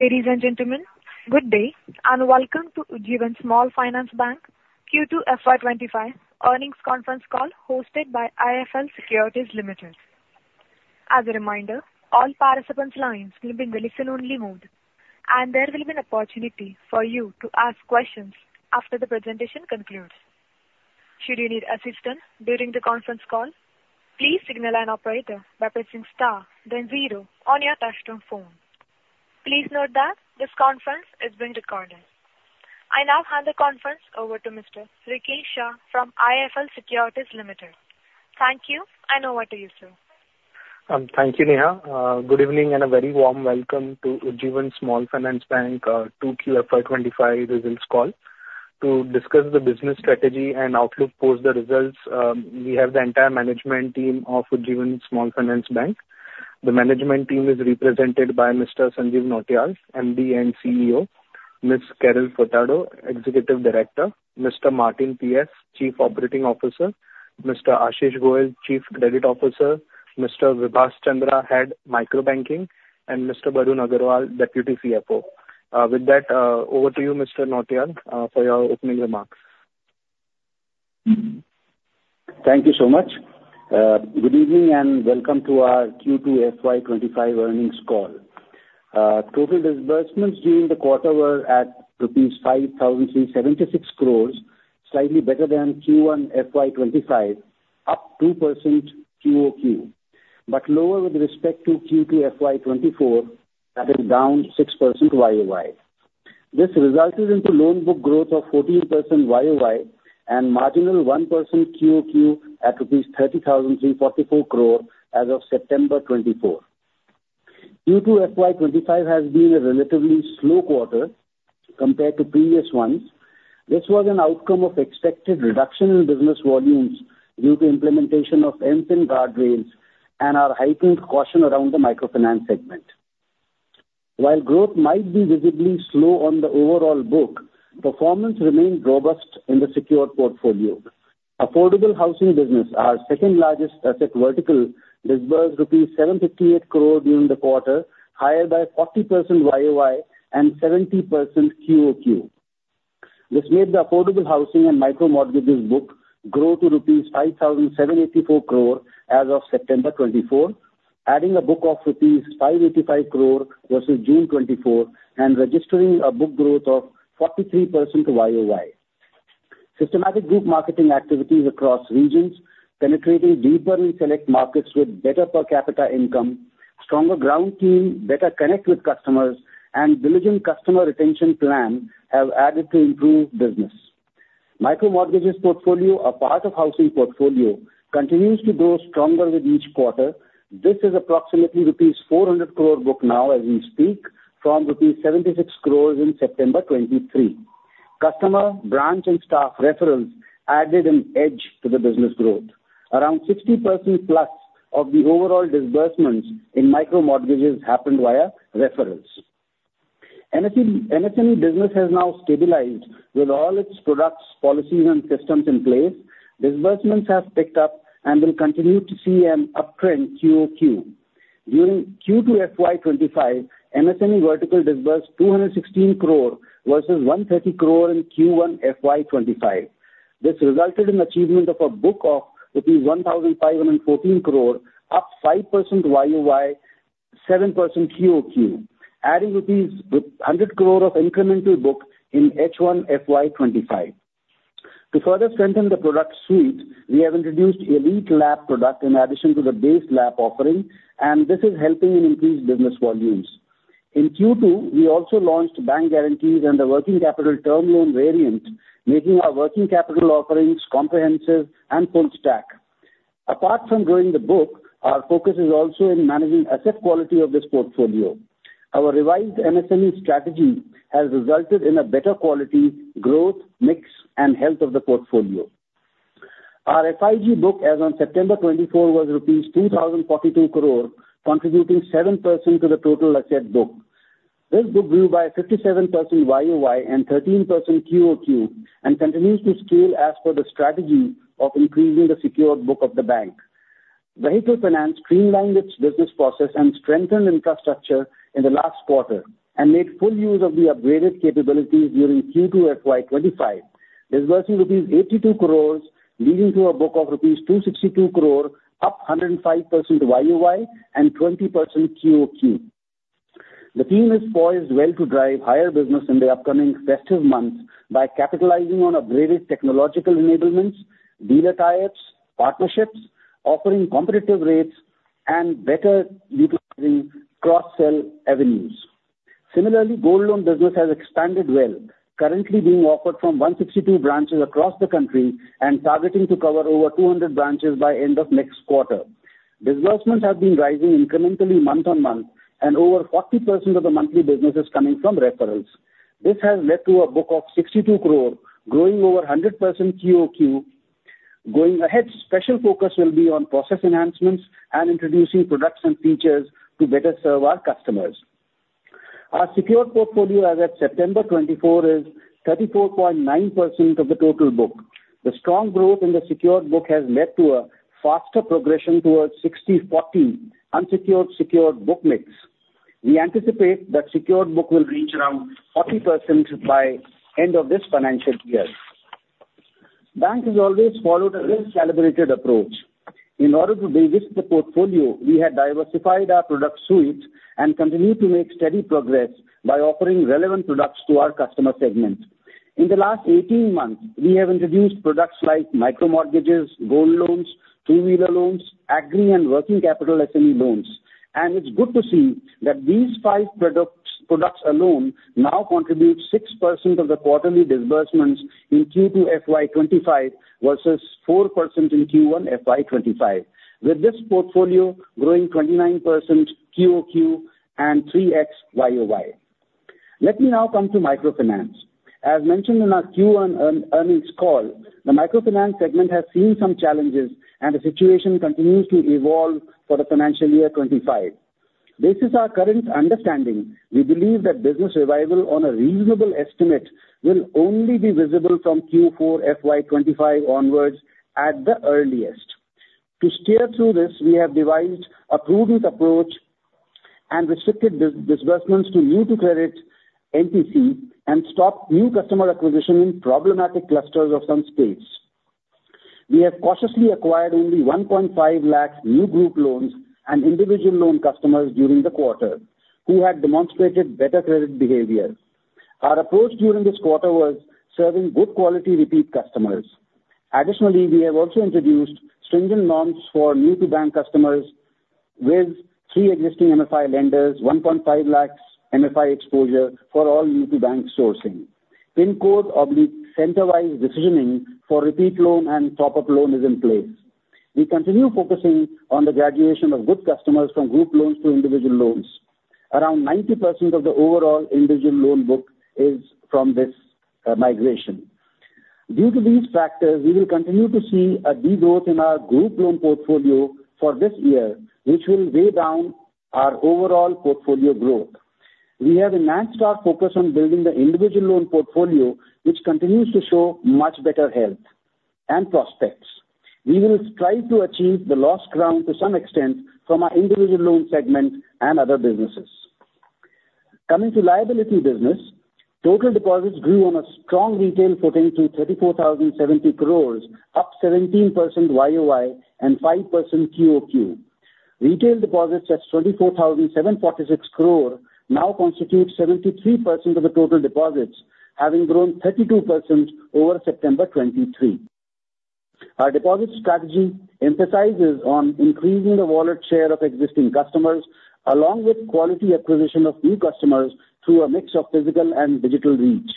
...Ladies and gentlemen, good day, and welcome to Ujjivan Small Finance Bank, Q2 FY twenty-five earnings conference call, hosted by IIFL Securities Limited. As a reminder, all participants' lines will be in listen-only mode, and there will be an opportunity for you to ask questions after the presentation concludes. Should you need assistance during the conference call, please signal an operator by pressing star, then zero on your touchtone phone. Please note that this conference is being recorded. I now hand the conference over to Mr. Ricky Shah from IIFL Securities Limited. Thank you, and over to you, sir. Thank you, Neha. Good evening, and a very warm welcome to Ujjivan Small Finance Bank 2Q FY25 results call. To discuss the business strategy and outlook post the results, we have the entire management team of Ujjivan Small Finance Bank. The management team is represented by Mr. Sanjeev Nautiyal, MD and CEO, Ms. Carol Furtado, Executive Director, Mr. Martin P.S., Chief Operating Officer, Mr. Ashish Goel, Chief Credit Officer, Mr. Vibhas Chandra, Head of Micro Banking, and Mr. Varun Agarwal, Deputy CFO. With that, over to you, Mr. Nautiyal, for your opening remarks. Thank you so much. Good evening, and welcome to our Q2 FY 2025 earnings call. Total disbursements during the quarter were at rupees 5,376 crores, slightly better than Q1 FY 2025, up 2% QOQ, but lower with respect to Q2 FY 2024, that is down 6% YOY. This resulted into loan book growth of 14% YOY and marginal 1% QOQ at rupees 30,344 crore as of September 2024. Q2 FY 2025 has been a relatively slow quarter compared to previous ones. This was an outcome of expected reduction in business volumes due to implementation of MSME guardrails and our heightened caution around the microfinance segment. While growth might be visibly slow on the overall book, performance remained robust in the secured portfolio. Affordable Housing business, our second largest asset vertical, disbursed rupees 758 crore during the quarter, higher by 40% YOY and 70% QOQ. This made the Affordable Housing and Micro Mortgages book grow to rupees 5,784 crore as of September 2024, adding a book of rupees 585 crore versus June 2024, and registering a book growth of 43% YOY. Systematic group marketing activities across regions, penetrating deeper in select markets with better per capita income, stronger ground team, better connect with customers, and diligent customer retention plan have added to improved business. Micro Mortgages portfolio, a part of housing portfolio, continues to grow stronger with each quarter. This is approximately rupees 400 crore book now as we speak, from rupees 76 crore in September 2023. Customer, branch, and staff referrals added an edge to the business growth. Around 60% plus of the overall disbursements in Micro Mortgages happened via referrals. MSME business has now stabilized with all its products, policies, and systems in place. Disbursements have picked up and will continue to see an uptrend QOQ. During Q2 FY 2025, MSME vertical disbursed 216 crore versus 130 crore in Q1 FY 2025. This resulted in achievement of a book of rupees 1,514 crore, up 5% YOY, 7% QOQ, adding rupees 100 crore of incremental book in H1 FY 2025. To further strengthen the product suite, we have introduced Elite LAP product in addition to the base LAP offering, and this is helping in increased business volumes. In Q2, we also launched Bank Guarantees and the Working Capital Term Loan variant, making our working capital offerings comprehensive and full stack. Apart from growing the book, our focus is also in managing asset quality of this portfolio. Our revised MSME strategy has resulted in a better quality, growth, mix, and health of the portfolio. Our FIL book, as on September 24, was rupees 2,042 crore, contributing 7% to the total asset book. This book grew by 57% YOY and 13% QOQ, and continues to scale as per the strategy of increasing the secured book of the bank. Vehicle finance streamlined its business process and strengthened infrastructure in the last quarter, and made full use of the upgraded capabilities during Q2 FY 2025. Disbursing rupees 82 crore, leading to a book of rupees 262 crore, up 105% YOY and 20% QOQ. The team is poised well to drive higher business in the upcoming festive months by capitalizing on upgraded technological enablements, dealer tie-ups, partnerships, offering competitive rates, and better utilizing cross-sell avenues. Similarly, gold loan business has expanded well, currently being offered from 162 branches across the country and targeting to cover over 200 branches by end of next quarter. Disbursements have been rising incrementally month on month, and over 40% of the monthly business is coming from referrals. This has led to a book of 62 crore, growing over 100% QOQ. Going ahead, special focus will be on process enhancements and introducing products and features to better serve our customers. Our secured portfolio, as at September 2024, is 34.9% of the total book. The strong growth in the secured book has led to a faster progression towards 60/40 unsecured, secured book mix. We anticipate that secured book will reach around 40% by end of this financial year. Bank has always followed a risk-calibrated approach. In order to de-risk the portfolio, we have diversified our product suite and continue to make steady progress by offering relevant products to our customer segment. In the last eighteen months, we have introduced products like micro mortgages, gold loans, two-wheeler loans, agri and working capital SME loans. And it's good to see that these five products, products alone now contribute 6% of the quarterly disbursements in Q2 FY twenty-five, versus 4% in Q1 FY twenty-five, with this portfolio growing 29% QOQ and 3x YOY. Let me now come to microfinance. As mentioned in our Q1 earnings call, the microfinance segment has seen some challenges, and the situation continues to evolve for the financial year twenty-five. This is our current understanding. We believe that business revival on a reasonable estimate will only be visible from Q4 FY25 onwards at the earliest. To steer through this, we have devised a prudent approach and restricted disbursements to new to credit NTC, and stopped new customer acquisition in problematic clusters of some states. We have cautiously acquired only 1.5 lakhs new group loans and individual loan customers during the quarter, who had demonstrated better credit behavior. Our approach during this quarter was serving good quality repeat customers. Additionally, we have also introduced stringent norms for new to bank customers with three existing MFI lenders, 1.5 lakhs MFI exposure for all new to bank sourcing. Pincode/center-wide decisioning for repeat loan and top-up loan is in place. We continue focusing on the graduation of good customers from group loans to individual loans. Around 90% of the overall individual loan book is from this migration. Due to these factors, we will continue to see a de-growth in our group loan portfolio for this year, which will weigh down our overall portfolio growth. We have a North-Star Focus on building the individual loan portfolio, which continues to show much better health and prospects. We will strive to achieve the lost ground to some extent from our individual loan segment and other businesses. Coming to liability business, total deposits grew on a strong retail footing to 34,070 crore, up 17% YOY and 5% QOQ. Retail deposits at 24,746 crore now constitute 73% of the total deposits, having grown 32% over September 2023. Our deposit strategy emphasizes on increasing the wallet share of existing customers, along with quality acquisition of new customers through a mix of physical and digital reach.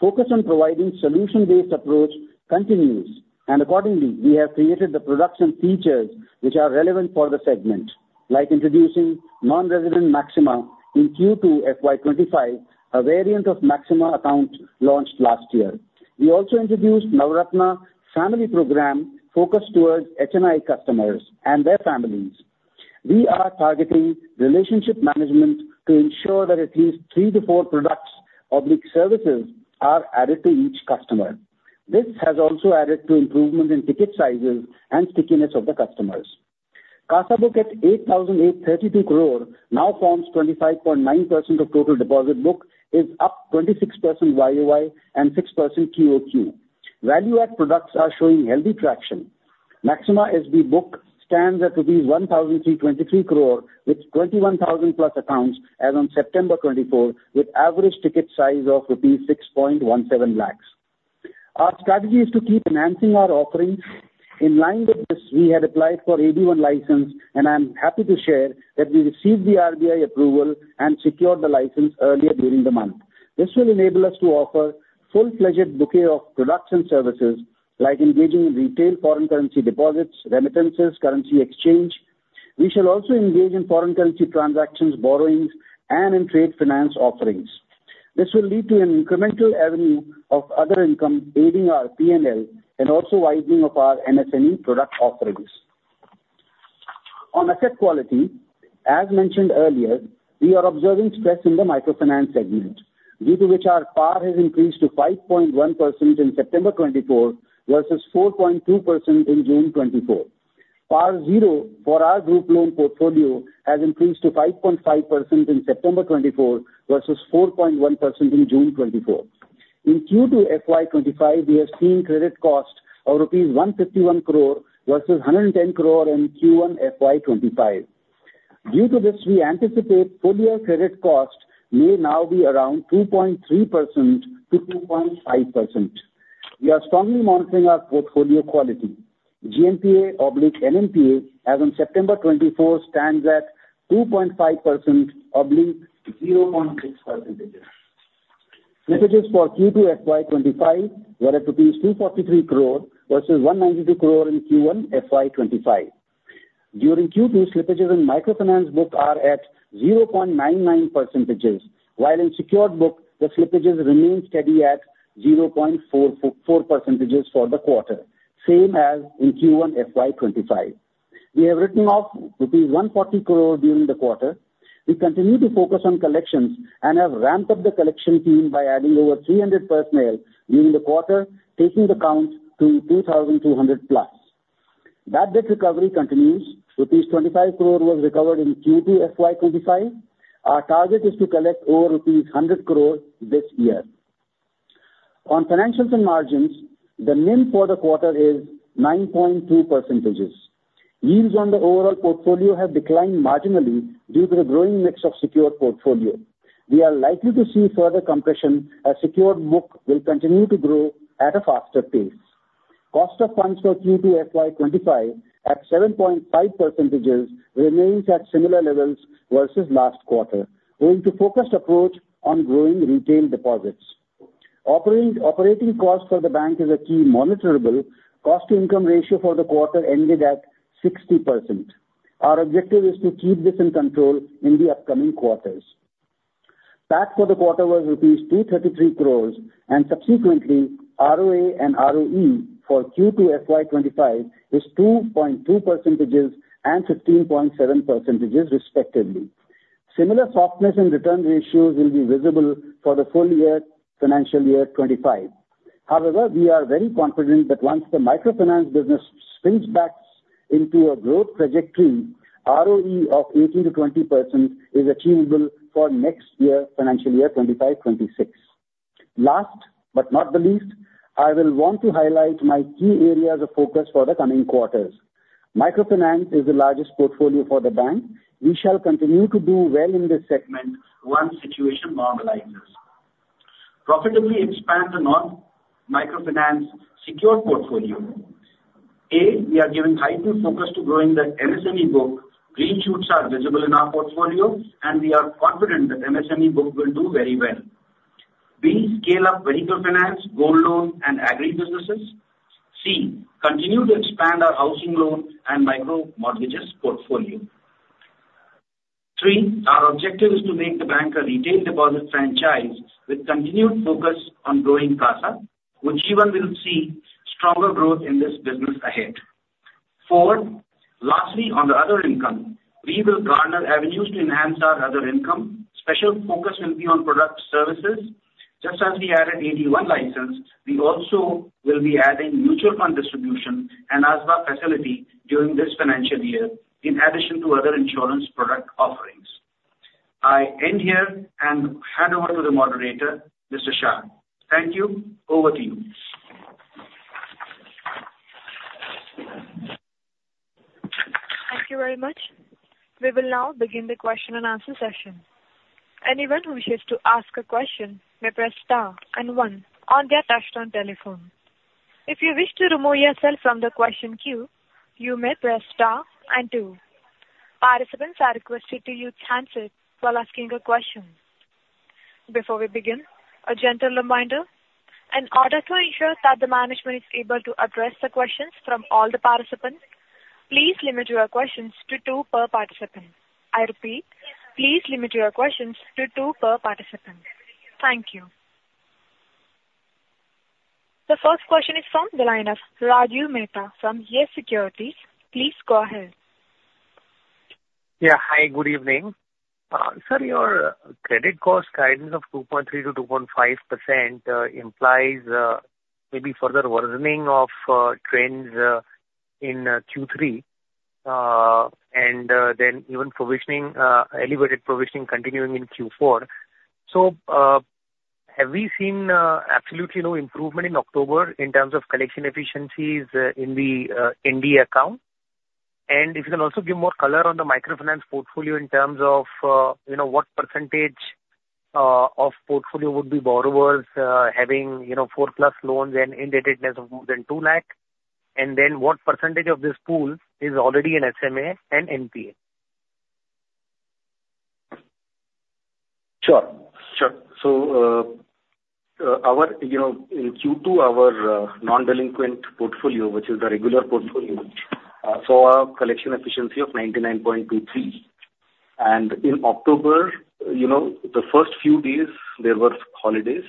Focus on providing solution-based approach continues, and accordingly, we have created the products and features which are relevant for the segment, like introducing Non-Resident Maxima in Q2 FY 2025, a variant of Maxima account launched last year. We also introduced Navratna Family Program focused towards HNI customers and their families. We are targeting relationship management to ensure that at least three to four products or services are added to each customer. This has also added to improvement in ticket sizes and stickiness of the customers. CASA book at 8,832 crore, now forms 25.9% of total deposit book, is up 26% YOY and 6% QOQ. Value-add products are showing healthy traction. Maxima SB book stands at INR 1,323 crore, with 21,000+ accounts as on September 2024, with average ticket size of INR 6.17 lakhs. Our strategy is to keep enhancing our offerings. In line with this, we had applied for AD-1 license, and I'm happy to share that we received the RBI approval and secured the license earlier during the month. This will enable us to offer full-fledged bouquet of products and services, like engaging in retail, foreign currency deposits, remittances, currency exchange. We shall also engage in foreign currency transactions, borrowings, and in trade finance offerings. This will lead to an incremental avenue of other income, aiding our P&L and also widening of our MSME product offerings. On asset quality, as mentioned earlier, we are observing stress in the microfinance segment, due to which our PAR has increased to 5.1% in September 2024, versus 4.2% in June 2024. PAR 0 for our group loan portfolio has increased to 5.5% in September 2024, versus 4.1% in June 2024. In Q2 FY25, we have seen credit cost of rupees 151 crore versus 110 crore in Q1 FY25. Due to this, we anticipate full year credit cost may now be around 2.3% to 2.5%. We are strongly monitoring our portfolio quality. GNPA / NPA, as on September 2024, stands at 2.5% / 0.6%. Slippages for Q2 FY 2025 were at 243 crore versus 192 crore in Q1 FY 2025. During Q2, slippages in microfinance book are at 0.99%, while in secured book, the slippages remain steady at 0.44% for the quarter, same as in Q1 FY 2025. We have written off rupees 140 crore during the quarter. We continue to focus on collections and have ramped up the collection team by adding over 300 personnel during the quarter, taking the count to 2,200 plus. Bad debt recovery continues. Rupees 25 crore was recovered in Q2 FY 2025. Our target is to collect over rupees 100 crore this year. On financials and margins, the NIM for the quarter is 9.2%. Yields on the overall portfolio have declined marginally due to the growing mix of secured portfolio. We are likely to see further compression as secured book will continue to grow at a faster pace. Cost of funds for Q2 FY 2025, at 7.5%, remains at similar levels versus last quarter, owing to focused approach on growing retail deposits. Operating costs for the bank is a key monitorable. Cost-to-income ratio for the quarter ended at 60%. Our objective is to keep this in control in the upcoming quarters. Tax for the quarter was rupees 233 crores, and subsequently, ROA and ROE for Q2 FY 2025 is 2.2% and 15.7%, respectively. Similar softness in return ratios will be visible for the full year, financial year 2025. However, we are very confident that once the microfinance business spins back into a growth trajectory, ROE of 18%-20% is achievable for next year, financial year 2025, 2026. Last but not least, I want to highlight my key areas of focus for the coming quarters. Microfinance is the largest portfolio for the bank. We shall continue to do well in this segment once situation normalizes. Profitably expand the non-microfinance secure portfolio: A, we are giving heightened focus to growing the MSME book. Green shoots are visible in our portfolio, and we are confident that MSME book will do very well. B, scale up vehicle finance, gold loan, and agri businesses. C, continue to expand our housing loan and micro mortgages portfolio. Three, our objective is to make the bank a retail deposit franchise with continued focus on growing CASA, which even will see stronger growth in this business ahead. Four, lastly, on the other income, we will garner avenues to enhance our other income. Special focus will be on product services. Just as we added AD1 License, we also will be adding mutual fund distribution and ASBA facility during this financial year, in addition to other insurance product offerings. I end here and hand over to the moderator, Mr. Shah. Thank you. Over to you. Thank you very much. We will now begin the question and answer session. Anyone who wishes to ask a question may press star and one on their touchtone telephone. If you wish to remove yourself from the question queue, you may press star and two. Participants are requested to use handset while asking a question. Before we begin, a gentle reminder, in order to ensure that the management is able to address the questions from all the participants, please limit your questions to two per participant. I repeat, please limit your questions to two per participant. Thank you. The first question is from the line of Rajiv Mehta, from Yes Securities. Please go ahead. Yeah. Hi, good evening. Sir, your credit cost guidance of 2.3%-2.5% implies maybe further worsening of trends in Q3 and then even provisioning, elevated provisioning continuing in Q4. So, have we seen absolutely no improvement in October in terms of collection efficiencies in the NTC account? And if you can also give more color on the microfinance portfolio in terms of, you know, what percentage of portfolio would be borrowers having, you know, 4+ loans and indebtedness of more than two lakh, and then what percentage of this pool is already in SMA and NPA? Sure. Sure. So, our you know, in Q2, our non-delinquent portfolio, which is the regular portfolio, saw a collection efficiency of 99.23%. And in October, you know, the first few days there were holidays,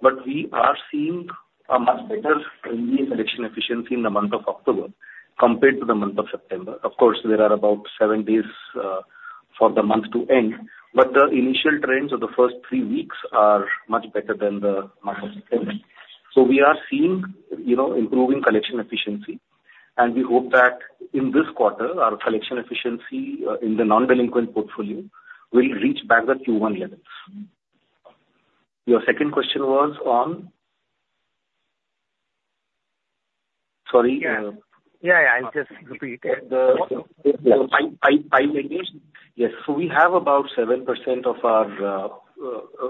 but we are seeing a much better in collection efficiency in the month of October compared to the month of September. Of course, there are about seven days for the month to end, but the initial trends of the first three weeks are much better than the month of September. So we are seeing, you know, improving collection efficiency, and we hope that in this quarter, our collection efficiency in the non-delinquent portfolio will reach back the Q1 levels. Your second question was on? Sorry. Yeah. I'll just repeat it. The- Five lenders. Yes. So we have about 7% of our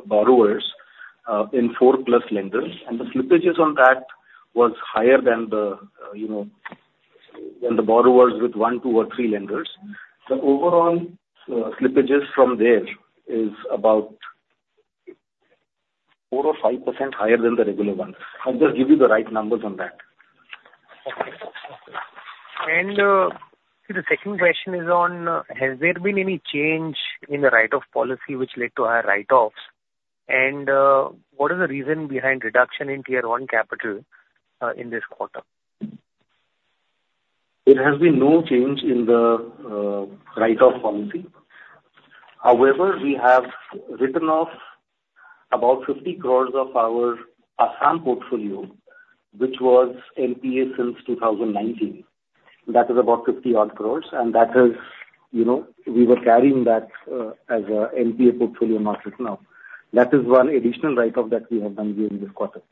borrowers in four-plus lenders, and the slippages on that was higher than the, you know, than the borrowers with one, two, or three lenders. The overall slippages from there is about 4% or 5% higher than the regular ones. I'll just give you the right numbers on that. Okay. And, the second question is on, has there been any change in the write-off policy which led to higher write-offs? And, what is the reason behind reduction in Tier 1 Capital, in this quarter? There has been no change in the write-off policy. However, we have written off about 50 crores of our Assam portfolio, which was NPA since 2019. That is about 50 odd crores, and that is, you know, we were carrying that as a NPA portfolio not till now. That is one additional write-off that we have done during this quarter.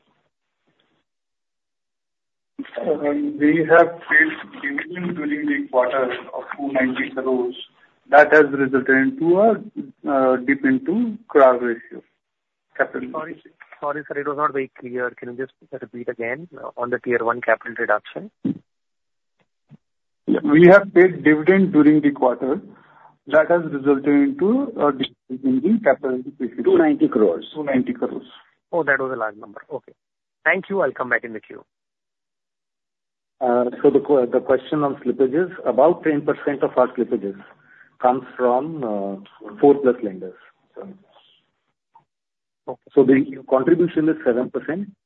We have paid dividend during the quarter of 290 crores. That has resulted into a dip into CRAR ratio, capital. Sorry, sorry, sir, it was not very clear. Can you just repeat again on the Tier 1 capital reduction? We have paid dividend during the quarter. That has resulted into a dip in the capital- 290 crore. 290 crore. Oh, that was a large number. Okay. Thank you. I'll come back in the queue. So the question on slippages, about 10% of our slippages comes from four-plus lenders. Okay. So the contribution is 7%,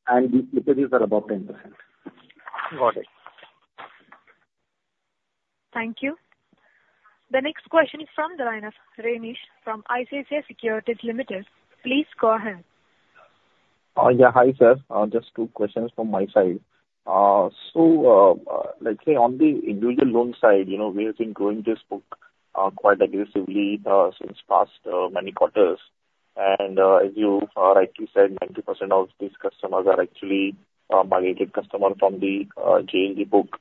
and the slippages are about 10%. Got it. Thank you. The next question is from the line of Renish from ICICI Securities Limited. Please go ahead. Yeah. Hi, sir. Just two questions from my side. So, let's say on the individual loan side, you know, we have been growing this book quite aggressively since past many quarters. And, as you rightly said, 90% of these customers are actually migrated customer from the JLG book.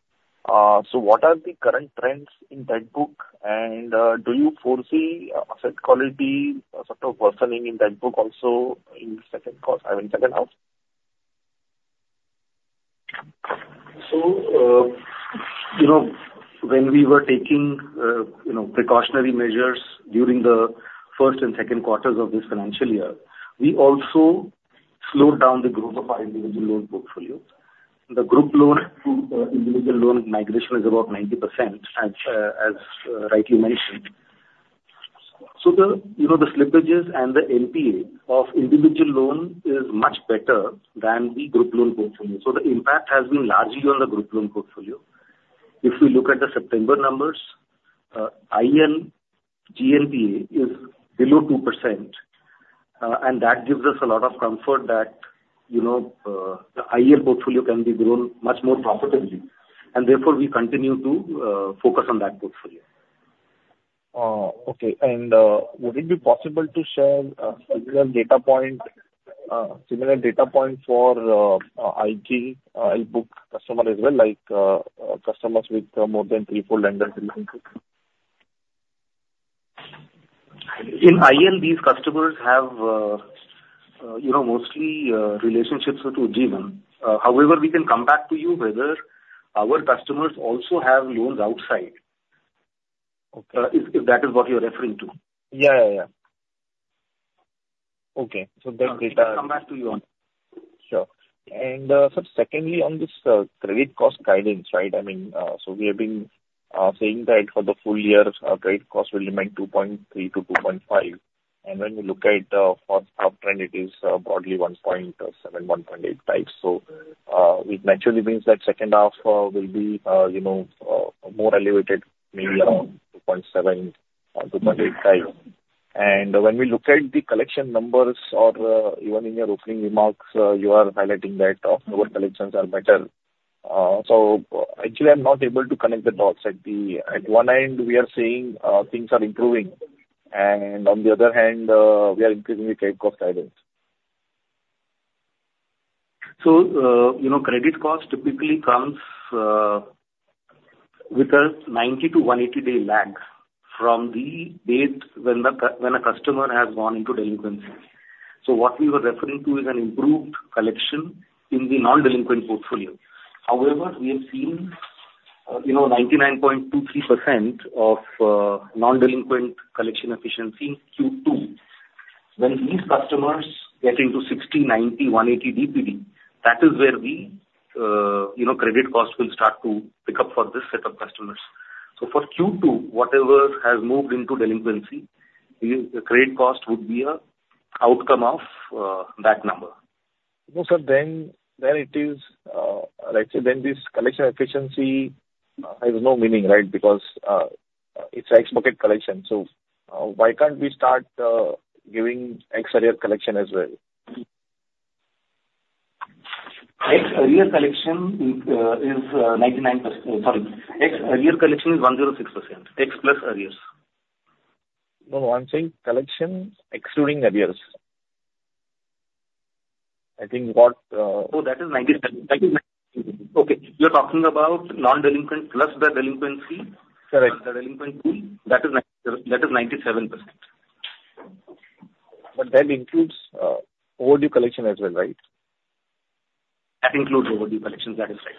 So what are the current trends in that book? And, do you foresee asset quality sort of worsening in that book also in second quarter, I mean, second half? You know, when we were taking, you know, precautionary measures during the first and second quarters of this financial year, we also slowed down the growth of our individual loan portfolio. The group loan to individual loan migration is about 90%, as rightly mentioned. You know, the slippages and the NPA of individual loan is much better than the group loan portfolio. The impact has been largely on the group loan portfolio. If we look at the September numbers, IL GNPA is below 2%, and that gives us a lot of comfort that, you know, the IL portfolio can be grown much more profitably, and therefore, we continue to focus on that portfolio. Okay. And would it be possible to share similar data point for IG IBook customer as well, like customers with more than three, four lenders? In IL, these customers have, you know, mostly, relationships with Ujjivan. However, we can come back to you whether our customers also have loans outside. Okay. If that is what you're referring to. Yeah, yeah, yeah. Okay, so that data- We'll come back to you on it. Sure. And, sir, secondly, on this, credit cost guidance, right? I mean, so we have been saying that for the full year, credit cost will remain 2.3%-2.5%. And when we look at, for top trend, it is, broadly 1.7, 1.85. So, it naturally means that second half, will be, you know, more elevated, maybe around 2.7% or 2.85%. And when we look at the collection numbers or, even in your opening remarks, you are highlighting that overall collections are better. So actually, I'm not able to connect the dots. At the... at one end, we are saying, things are improving, and on the other hand, we are increasing the credit cost guidance. So, you know, credit cost typically comes with a 90-180-day lag from the date when a customer has gone into delinquency. So what we were referring to is an improved collection in the non-delinquent portfolio. However, we have seen, you know, 99.23% of non-delinquent collection efficiency in Q2. When these customers get into 60, 90, 180 DPD, that is where the, you know, credit cost will start to pick up for this set of customers. So for Q2, whatever has moved into delinquency, the credit cost would be a outcome of that number. No, sir, then it is, let's say then this collection efficiency has no meaning, right? Because, it's ex bucket collection, so, why can't we start giving ex arrear collection as well? Ex-arrear collection is 99%. Sorry, ex-arrear collection is 106%. Ex plus arrears. No, no, I'm saying collection excluding arrears. I think what, Oh, that is ninety-seven. Okay, you're talking about non-delinquent plus the delinquency? Correct. Plus the delinquency, that is 97%. But that includes overdue collection as well, right? That includes overdue collection, that is right.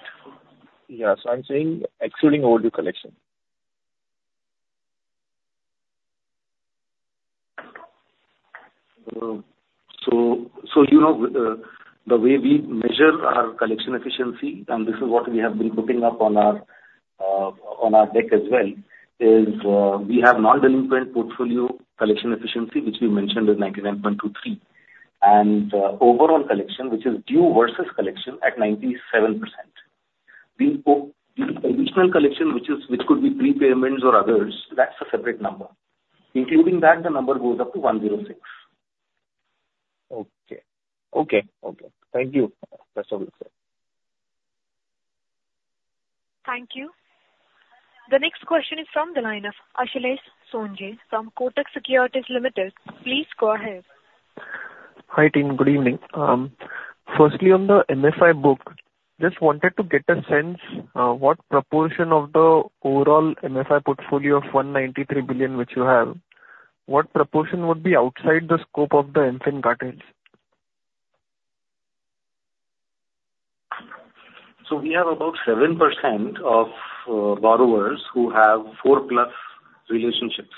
Yeah, so I'm saying excluding overdue collection. You know, the way we measure our collection efficiency, and this is what we have been putting up on our-... on our deck as well, is we have non-delinquent portfolio collection efficiency, which we mentioned is 99.23%, and overall collection, which is due versus collection at 97%. The additional collection, which is, which could be prepayments or others, that's a separate number. Including that, the number goes up to 106. Okay. Thank you. That's all, sir. Thank you. The next question is from the line of Ashlesh Sonje from Kotak Securities Limited. Please go ahead. Hi, team. Good evening. Firstly, on the `MFI book, just wanted to get a sense of what proportion of the overall MFI portfolio of 193 billion, which you have, what proportion would be outside the scope of the MFIN guardrails? So we have about 7% of borrowers who have four plus relationships.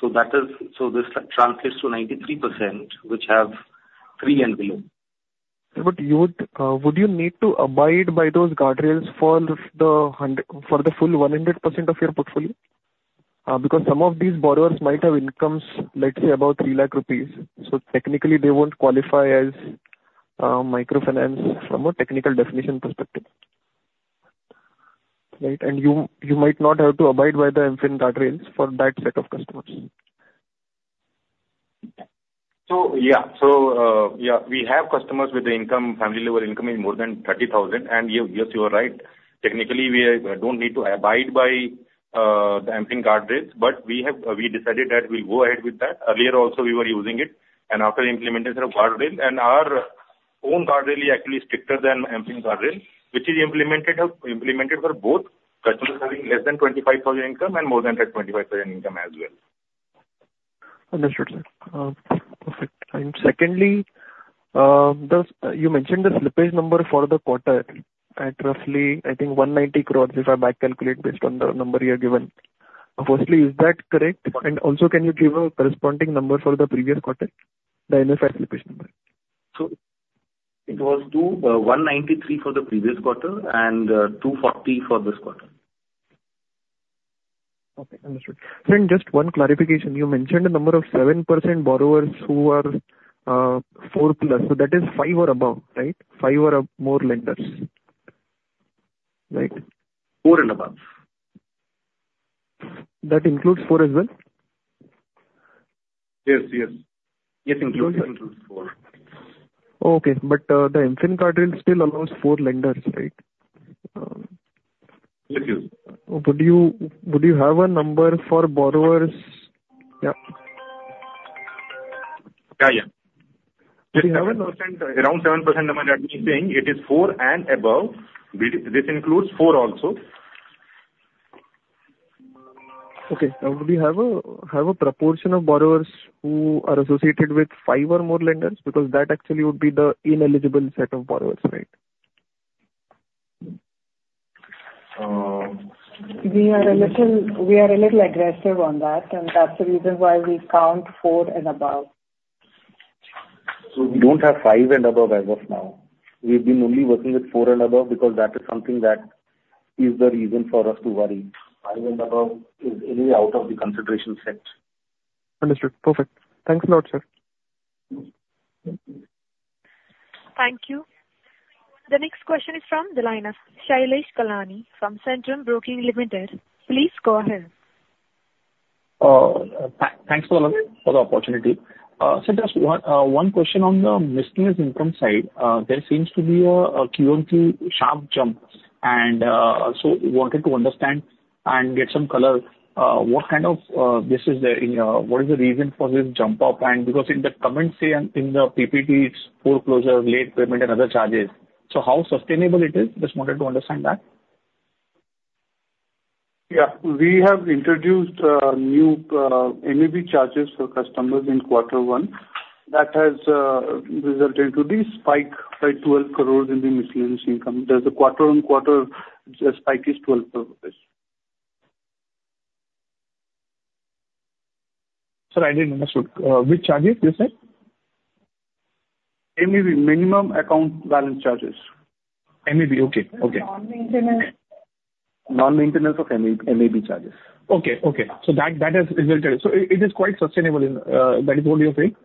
So that is, this translates to 93%, which have three and below. But would you need to abide by those guardrails for the 100, for the full 100% of your portfolio? Because some of these borrowers might have incomes, let's say, about 300,000 rupees, so technically they won't qualify as microfinance from a technical definition perspective. Right? And you might not have to abide by the MFIN guardrails for that set of customers. Yeah. We have customers with the income, family level income is more than thirty thousand, and yes, you are right. Technically, we don't need to abide by the MFIN guardrails, but we have decided that we'll go ahead with that. Earlier also, we were using it, and after implementing the guardrail, our own guardrail is actually stricter than MFIN guardrail, which is implemented for both customers having less than twenty-five thousand income and more than twenty-five thousand income as well. Understood, sir. Perfect. And secondly, you mentioned the slippage number for the quarter at roughly, I think, 190 crore, if I back calculate based on the number you have given. Firstly, is that correct? And also, can you give a corresponding number for the previous quarter, the in-house slippage number? So it was two, one ninety-three for the previous quarter and two forty for this quarter. Okay, understood. And just one clarification, you mentioned a number of 7% borrowers who are, four plus. So that is five or above, right? Five or up, more lenders, right? Four and above. That includes four as well? Yes, yes. It includes four. Okay, but the MFIN guardrail still allows four lenders, right? Thank you. Would you have a number for borrowers? Yeah. Yeah, yeah. 7%, around 7%, what I'm saying, it is four and above. This includes four also. Okay. Now, would you have a proportion of borrowers who are associated with five or more lenders? Because that actually would be the ineligible set of borrowers, right? Uh- We are a little aggressive on that, and that's the reason why we count four and above. So we don't have five and above as of now. We've been only working with four and above because that is something that is the reason for us to worry. Five and above is really out of the consideration set. Understood. Perfect. Thanks a lot, sir. Thank you. The next question is from the line of Shailesh Kanani from Centrum Broking Limited. Please go ahead. Thanks a lot for the opportunity. Just one question on the miscellaneous income side. There seems to be a QOQ sharp jump, and wanted to understand and get some color, what is the reason for this jump up? And because in the comments and in the PPT, it's foreclosures, late payment and other charges. So how sustainable it is? Just wanted to understand that. Yeah. We have introduced new MAB charges for customers in quarter one. That has resulted into this spike by 12 crore in the miscellaneous income. There's a quarter on quarter, the spike is 12 crore. Sir, I didn't understand. Which charges you said? MAB, minimum account balance charges. Okay, okay. Non-maintenance. Non-maintenance of MAB, MABV charges. Okay, okay. So that, that has resulted. So it, it is quite sustainable in... That is only your take?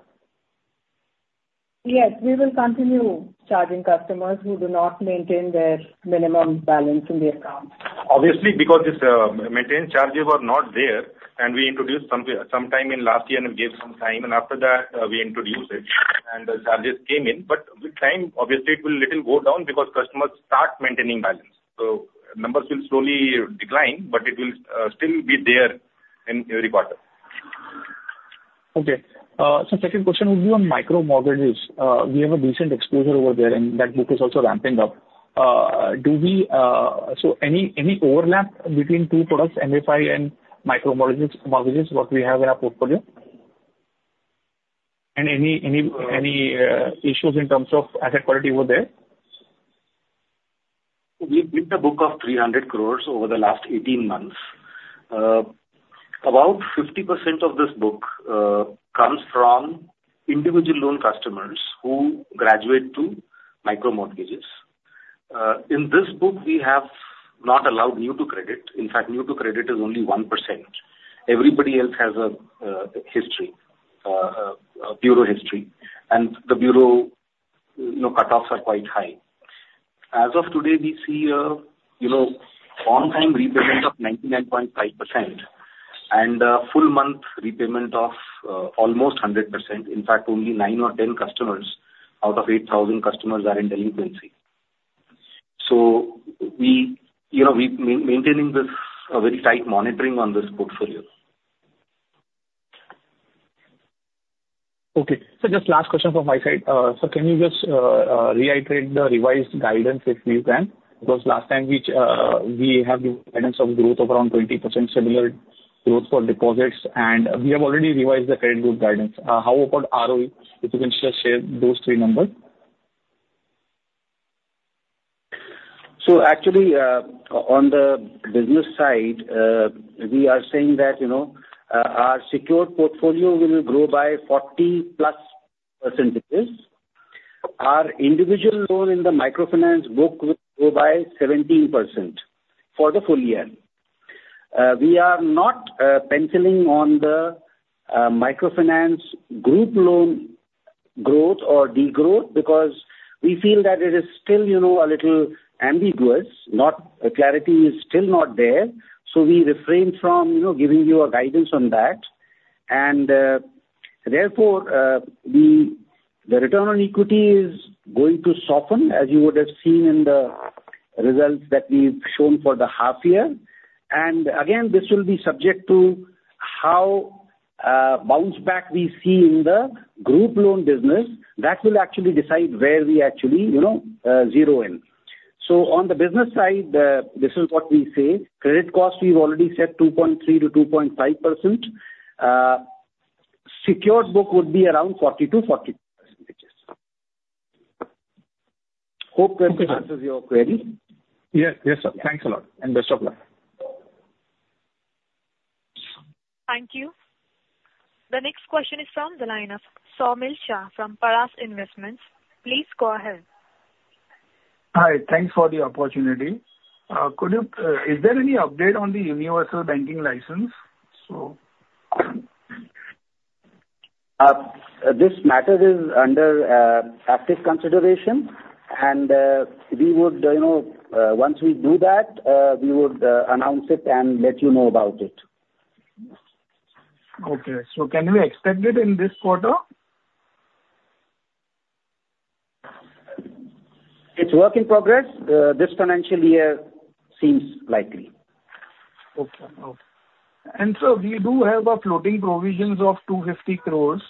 Yes, we will continue charging customers who do not maintain their minimum balance in their accounts. Obviously, because this, maintenance charges were not there, and we introduced some time in last year, and we gave some time, and after that, we introduced it, and the charges came in. But with time, obviously, it will little go down because customers start maintaining balance. So numbers will slowly decline, but it will still be there in every quarter. Okay, so second question would be on Micro Mortgages. We have a decent exposure over there, and that book is also ramping up, so any issues in terms of asset quality over there? We've built a book of 300 crore over the last eighteen months.... about 50% of this book comes from individual loan customers who graduate to Micro Mortgages. In this book, we have not allowed new to credit. In fact, new to credit is only 1%. Everybody else has a history, a bureau history, and the bureau, you know, cutoffs are quite high. As of today, we see a, you know, on-time repayment of 99.5% and a full month repayment of almost 100%. In fact, only nine or 10 customers out of 8,000 customers are in delinquency. So we, you know, we maintaining this, a very tight monitoring on this portfolio. Okay. So just last question from my side. So can you just reiterate the revised guidance, if you can? Because last time, which, we have the guidance of growth of around 20%, similar growth for deposits, and we have already revised the credit growth guidance. How about ROE? If you can just share those three numbers. So actually, on the business side, we are saying that, you know, our secured portfolio will grow by 40-plus%. Our individual loan in the microfinance book will grow by 17% for the full year. We are not penciling on the microfinance group loan growth or degrowth, because we feel that it is still, you know, a little ambiguous, not. The clarity is still not there, so we refrain from, you know, giving you a guidance on that. And therefore, the return on equity is going to soften, as you would have seen in the results that we've shown for the half year. And again, this will be subject to how bounce back we see in the group loan business. That will actually decide where we actually, you know, zero in. So on the business side, this is what we say: credit cost, we've already said 2.3%-2.5%. Secured book would be around 40%-42%. Hope that answers your query. Yes. Yes, sir. Thanks a lot, and best of luck. Thank you. The next question is from the line of Saumil Shah from Paras Investments. Please go ahead. Hi. Thanks for the opportunity. Could you, is there any update on the universal banking license, so? This matter is under active consideration, and we would, you know, we would announce it and let you know about it. Okay, so can we expect it in this quarter? It's work in progress. This financial year seems likely. Okay. Okay. And sir, we do have a floating provisions of 250 crores,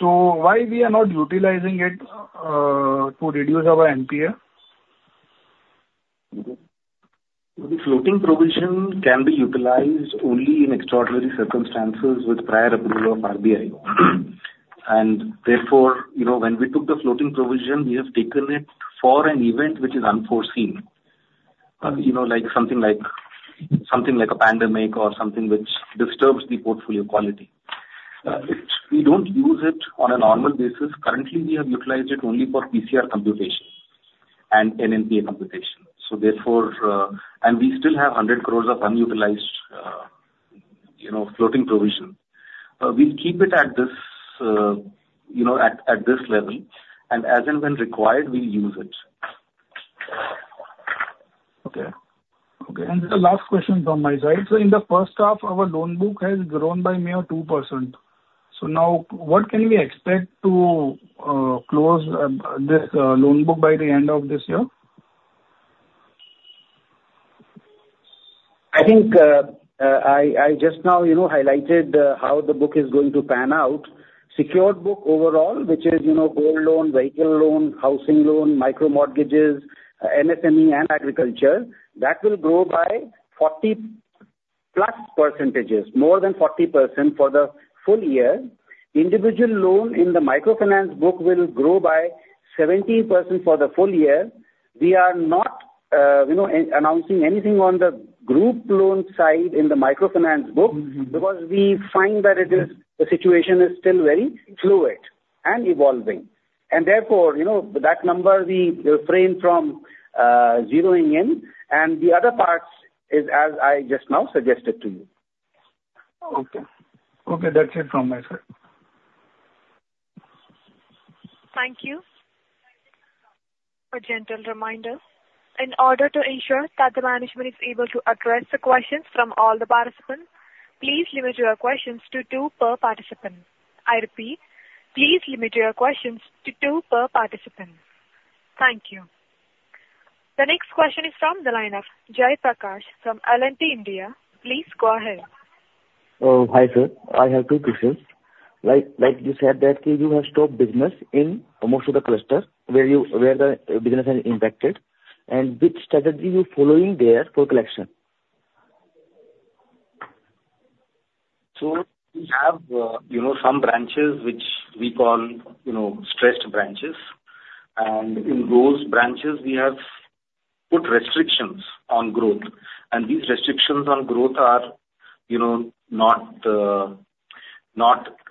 so why we are not utilizing it to reduce our NPA? The floating provision can be utilized only in extraordinary circumstances with prior approval of RBI. Therefore, you know, when we took the floating provision, we have taken it for an event which is unforeseen. You know, like, something like, something like a pandemic or something which disturbs the portfolio quality. We don't use it on a normal basis. Currently, we have utilized it only for PCR computation and NNPA computation. Therefore, and we still have 100 crores of unutilized, you know, floating provision. We'll keep it at this, you know, at this level, and as and when required, we'll use it. Okay. Okay. And the last question from my side. So in the first half, our loan book has grown by mere 2%. So now, what can we expect to close this loan book by the end of this year? I think, just now, you know, highlighted how the book is going to pan out. Secured book overall, which is, you know, gold loan, vehicle loan, housing loan, micro mortgages, MSME and agriculture, that will grow by 40+ percentages, more than 40% for the full year. Individual loan in the microfinance book will grow by 17% for the full year. We are not, you know, announcing anything on the group loan side in the microfinance book- Mm-hmm. Because we find that it is, the situation is still very fluid and evolving. And therefore, you know, that number we refrain from zeroing in, and the other parts is as I just now suggested to you. Okay. Okay, that's it from my side. Thank you. A gentle reminder, in order to ensure that the management is able to address the questions from all the participants, please limit your questions to two per participant. I repeat, please limit your questions to two per participant. Thank you. The next question is from the line of Jai Prakash from L&T India. Please go ahead. Hi, sir. I have two questions. Like you said, that you have stopped business in most of the clusters where the business has impacted, and which strategy you're following there for collection? So we have, you know, some branches which we call, you know, stressed branches, and in those branches we have put restrictions on growth, and these restrictions on growth are, you know, not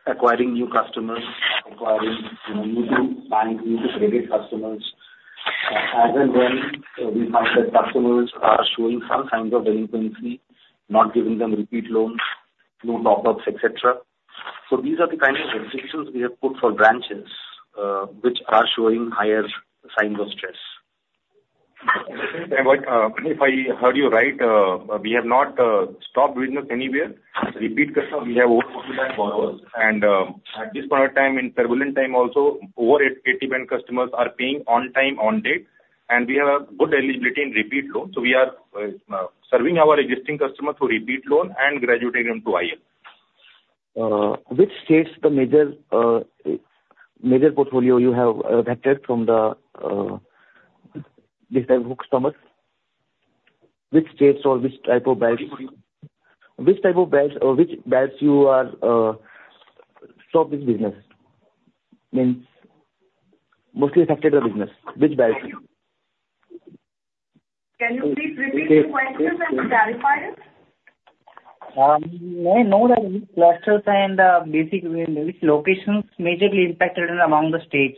acquiring new customers, acquiring, you know, new to bank, new to credit customers. As and when we find that customers are showing some signs of delinquency, not giving them repeat loans, no top-ups, et cetera. So these are the kind of restrictions we have put for branches, which are showing higher signs of stress. If I heard you right, we have not stopped business anywhere. Repeat customers, we have our borrowers, and at this point of time, in turbulent times also, over 80% bank customers are paying on time, on date, and we have a good eligibility in repeat loans. So we are serving our existing customers through repeat loans and graduating them to IL. Which states the major major portfolio you have vetted from the this type of customers? Which states or which type of banks? Which type of banks or which banks you are stop this business? Means, mostly affected the business. Which banks? Can you please repeat the question and clarify it? No, no, like, which clusters and basically, which locations majorly impacted among the states?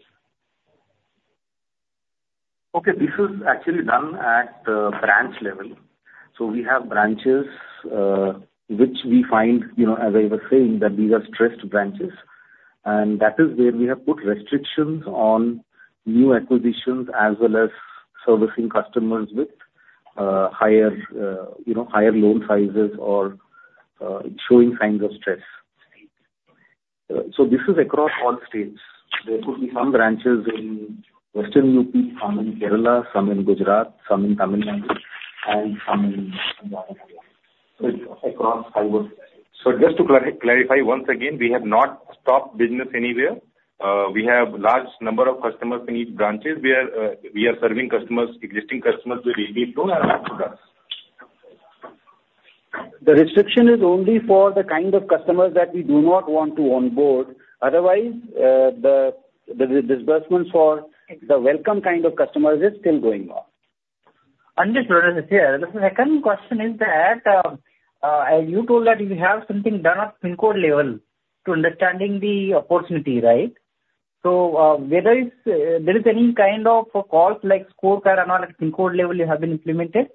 Okay, this is actually done at the branch level. So we have branches, which we find, you know, as I was saying, that these are stressed branches, and that is where we have put restrictions on new acquisitions as well as servicing customers with, higher, you know, higher loan sizes or, showing signs of stress. So this is across all states. There could be some branches in Western UP, some in Kerala, some in Gujarat, some in Tamil Nadu, and some in Maharashtra. It's across five branches. So just to clarify once again, we have not stopped business anywhere. We have large number of customers in each branches. We are serving customers, existing customers with loan and products. The restriction is only for the kind of customers that we do not want to onboard. Otherwise, the disbursements for the welcome kind of customers is still going on. Understood, sir. The second question is that, you told that you have something done at pin code level to understanding the opportunity, right? So, whether it's, there is any kind of calls like score card analysis pin code level you have been implemented?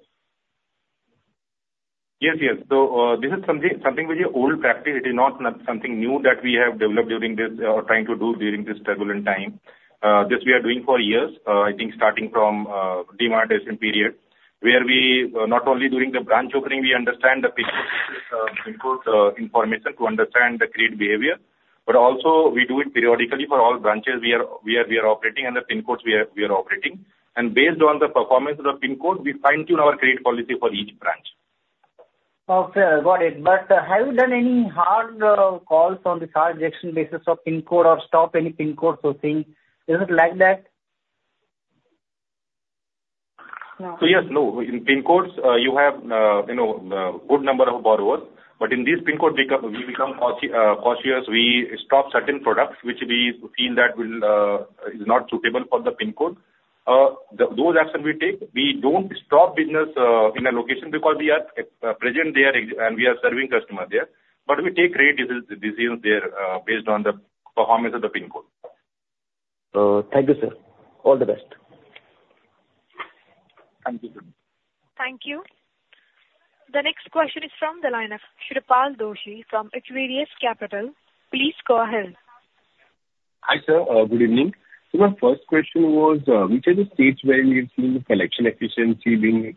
Yes, yes. So this is something, something which is old practice. It is not something new that we have developed during this or trying to do during this turbulent time. This we are doing for years, I think starting from demand season period, where we not only during the branch opening, we understand the picture, pin code information to understand the credit behavior, but also we do it periodically for all branches we are operating and the pin codes we are operating. And based on the performance of the pin code, we fine-tune our credit policy for each branch. Okay, got it, but have you done any hard calls on the charge rejection basis of pin code or stop any pin code processing? Is it like that? Yes, no. In pin codes, you have, you know, good number of borrowers, but in this pin code, we become cautious. We stop certain products which we feel that will is not suitable for the pin code. Those action we take, we don't stop business in a location because we are present there and we are serving customers there, but we take great decisions there based on the performance of the pin code. Thank you, sir. All the best. Thank you. Thank you. The next question is from the line of Shripal Doshi from Equirus Capital. Please go ahead. Hi, sir. Good evening. So my first question was, which are the states where we have seen the collection efficiency being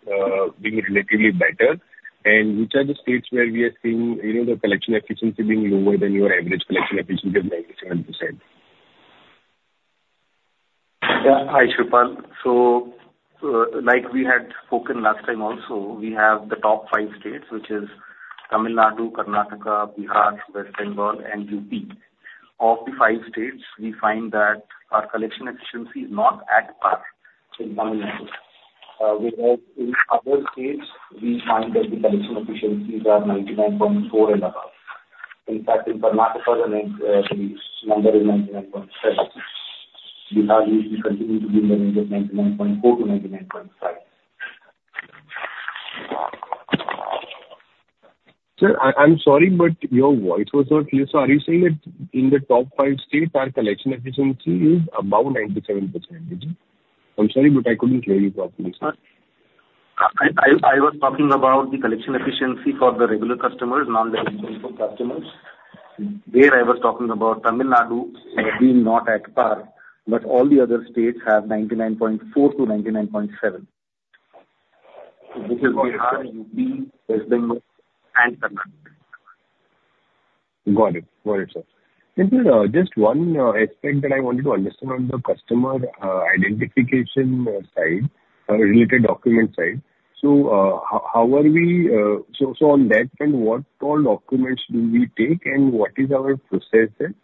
relatively better? And which are the states where we are seeing, you know, the collection efficiency being lower than your average collection efficiency of 97%? Yeah. Hi, Shripal. So, like we had spoken last time also, we have the top five states, which is Tamil Nadu, Karnataka, Bihar, West Bengal and UP. Of the five states, we find that our collection efficiency is not at par in Tamil Nadu. Whereas in other states, we find that the collection efficiencies are 99.4% and above. In fact, in Karnataka, the next, number is 99.7%. Bihar, we continue to be in the range of 99.4% to 99.5%. I'm sorry, but your voice was not clear. So are you saying that in the top five states, our collection efficiency is above 97%? I'm sorry, but I couldn't hear you properly, sir. I was talking about the collection efficiency for the regular customers, non-delinquent customers. I was talking about Tamil Nadu being not at par, but all the other states have 99.4% to 99.7%. This is Bihar, UP, West Bengal and Karnataka. Got it. Got it, sir. Then, just one aspect that I wanted to understand on the customer identification side, related document side. So, how are we... So, so on that front, what all documents do we take, and what is our process there?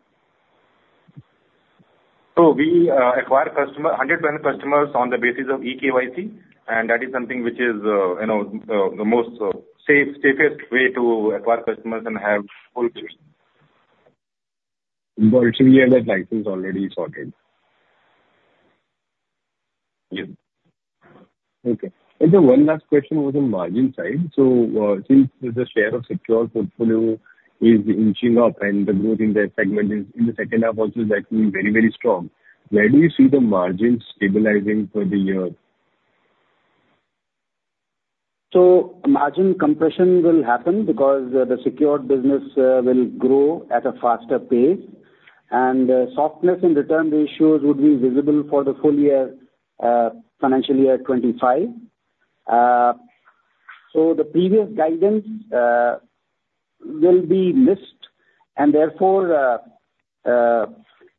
So we acquire customer hundred brand customers on the basis of E-KYC, and that is something which is, you know, the safest way to acquire customers and have full-... but it should be under license already sorted. Yeah. Okay. And then one last question was on margin side. So, since the share of secure portfolio is inching up and the growth in that segment is in the second half also is actually very, very strong, where do you see the margin stabilizing for the year? So margin compression will happen because the secured business will grow at a faster pace, and softness in return ratios would be visible for the full year, financial year 2025. So the previous guidance will be missed, and therefore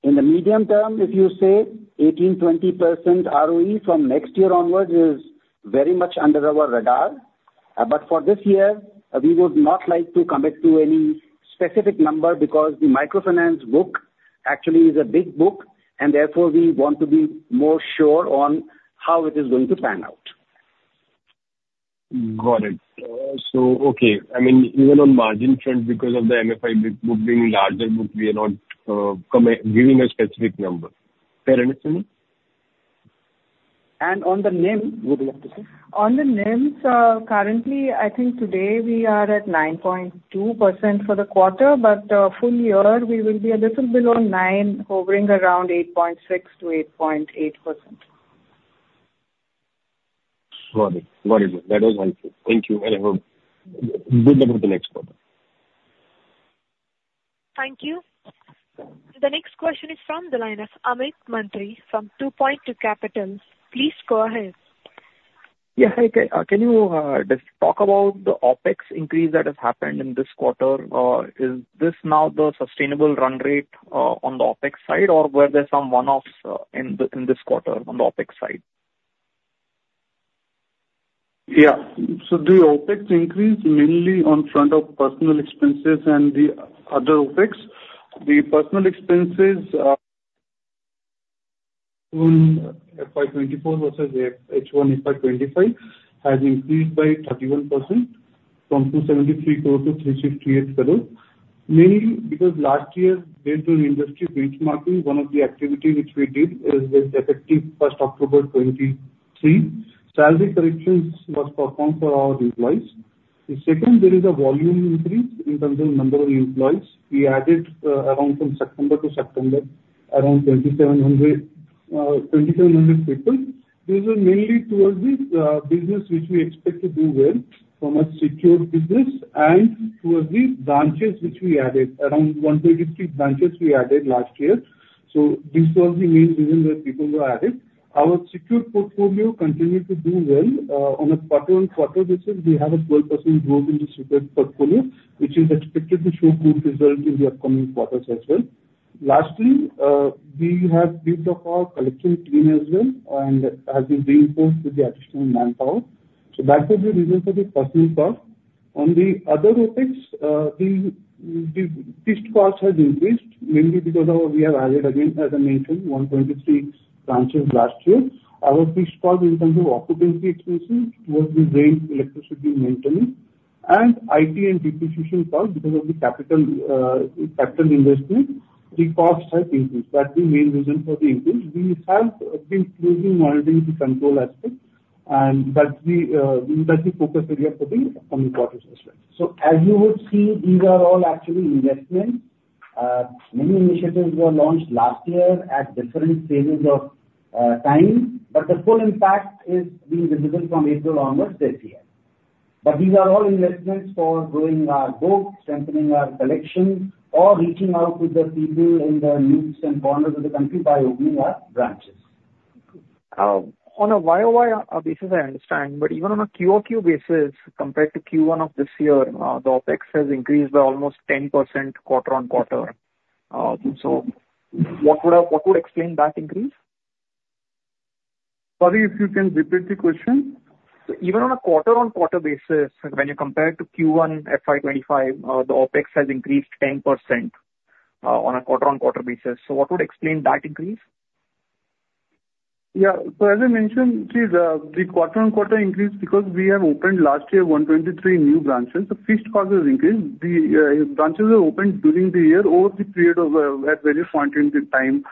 in the medium term, if you say 18-20% ROE from next year onwards is very much under our radar. But for this year, we would not like to commit to any specific number because the microfinance book actually is a big book, and therefore we want to be more sure on how it is going to pan out. Got it. So okay. I mean, even on margin front, because of the MFI book being larger, but we are not committing to giving a specific number. Fair understanding? On the NIM, would you like to say? On the NIMs, currently, I thinkThank y today we are at 9.2% for the quarter, but, full year, we will be a little below nine, hovering around 8.6%-8.8%. Got it. Got it. That was helpful. Thank you, and good luck with the next quarter. Thank you. The next question is from the line of Amit Mantri, from Two Point Two Capital. Please go ahead. Yeah, hi. Can you just talk about the OpEx increase that has happened in this quarter? Or is this now the sustainable run rate on the OpEx side, or were there some one-offs in this quarter on the OpEx side? Yeah. So the OpEx increased mainly on front of personal expenses and the other OpEx. The personal expenses in FY 2024 versus the H1 FY 2025 has increased by 31% from 273 crore to 368 crore. Mainly because last year, due to an industry benchmarking, one of the activity which we did is with effective 1st October 2023. Salary corrections was performed for our employees. The second, there is a volume increase in terms of number of employees. We added around from September to September around 2,700 people. These are mainly towards the business which we expect to do well from a secured business and towards the branches, which we added, around 123 branches we added last year. So this was the main reason why people were added. Our secured portfolio continued to do well. On a quarter on quarter basis, we have a 12% growth in the secured portfolio, which is expected to show good results in the upcoming quarters as well. Lastly, we have built up our collection team as well and has been reinforced with the additional manpower. So that was the reason for the personnel cost. On the other OpEx, the fixed cost has increased, mainly because of we have added again, as I mentioned, 123 branches last year. Our fixed cost in terms of occupancy expenses towards the rent, electricity, maintenance, and IT and depreciation cost because of the capital investment, the costs have increased. That's the main reason for the increase. We have been closely monitoring the control aspect, and that's the focus area for the upcoming quarters as well. So as you would see, these are all actually investments. Many initiatives were launched last year at different stages of time, but the full impact is being visible from April onwards this year. But these are all investments for growing our book, strengthening our collection, or reaching out to the people in the nooks and corners of the country by opening our branches. On a YOY basis, I understand, but even on a QOQ basis, compared to Q1 of this year, the OpEx has increased by almost 10% quarter on quarter. So what would explain that increase? Sorry, if you can repeat the question? So even on a quarter on quarter basis, when you compare it to Q1 FY twenty-five, the OpEx has increased 10%, on a quarter on quarter basis. So what would explain that increase? Yeah. So as I mentioned, the quarter-on-quarter increase because we have opened last year, 123 new branches, the fixed cost has increased. The branches were opened during the year over the period of at various points in the time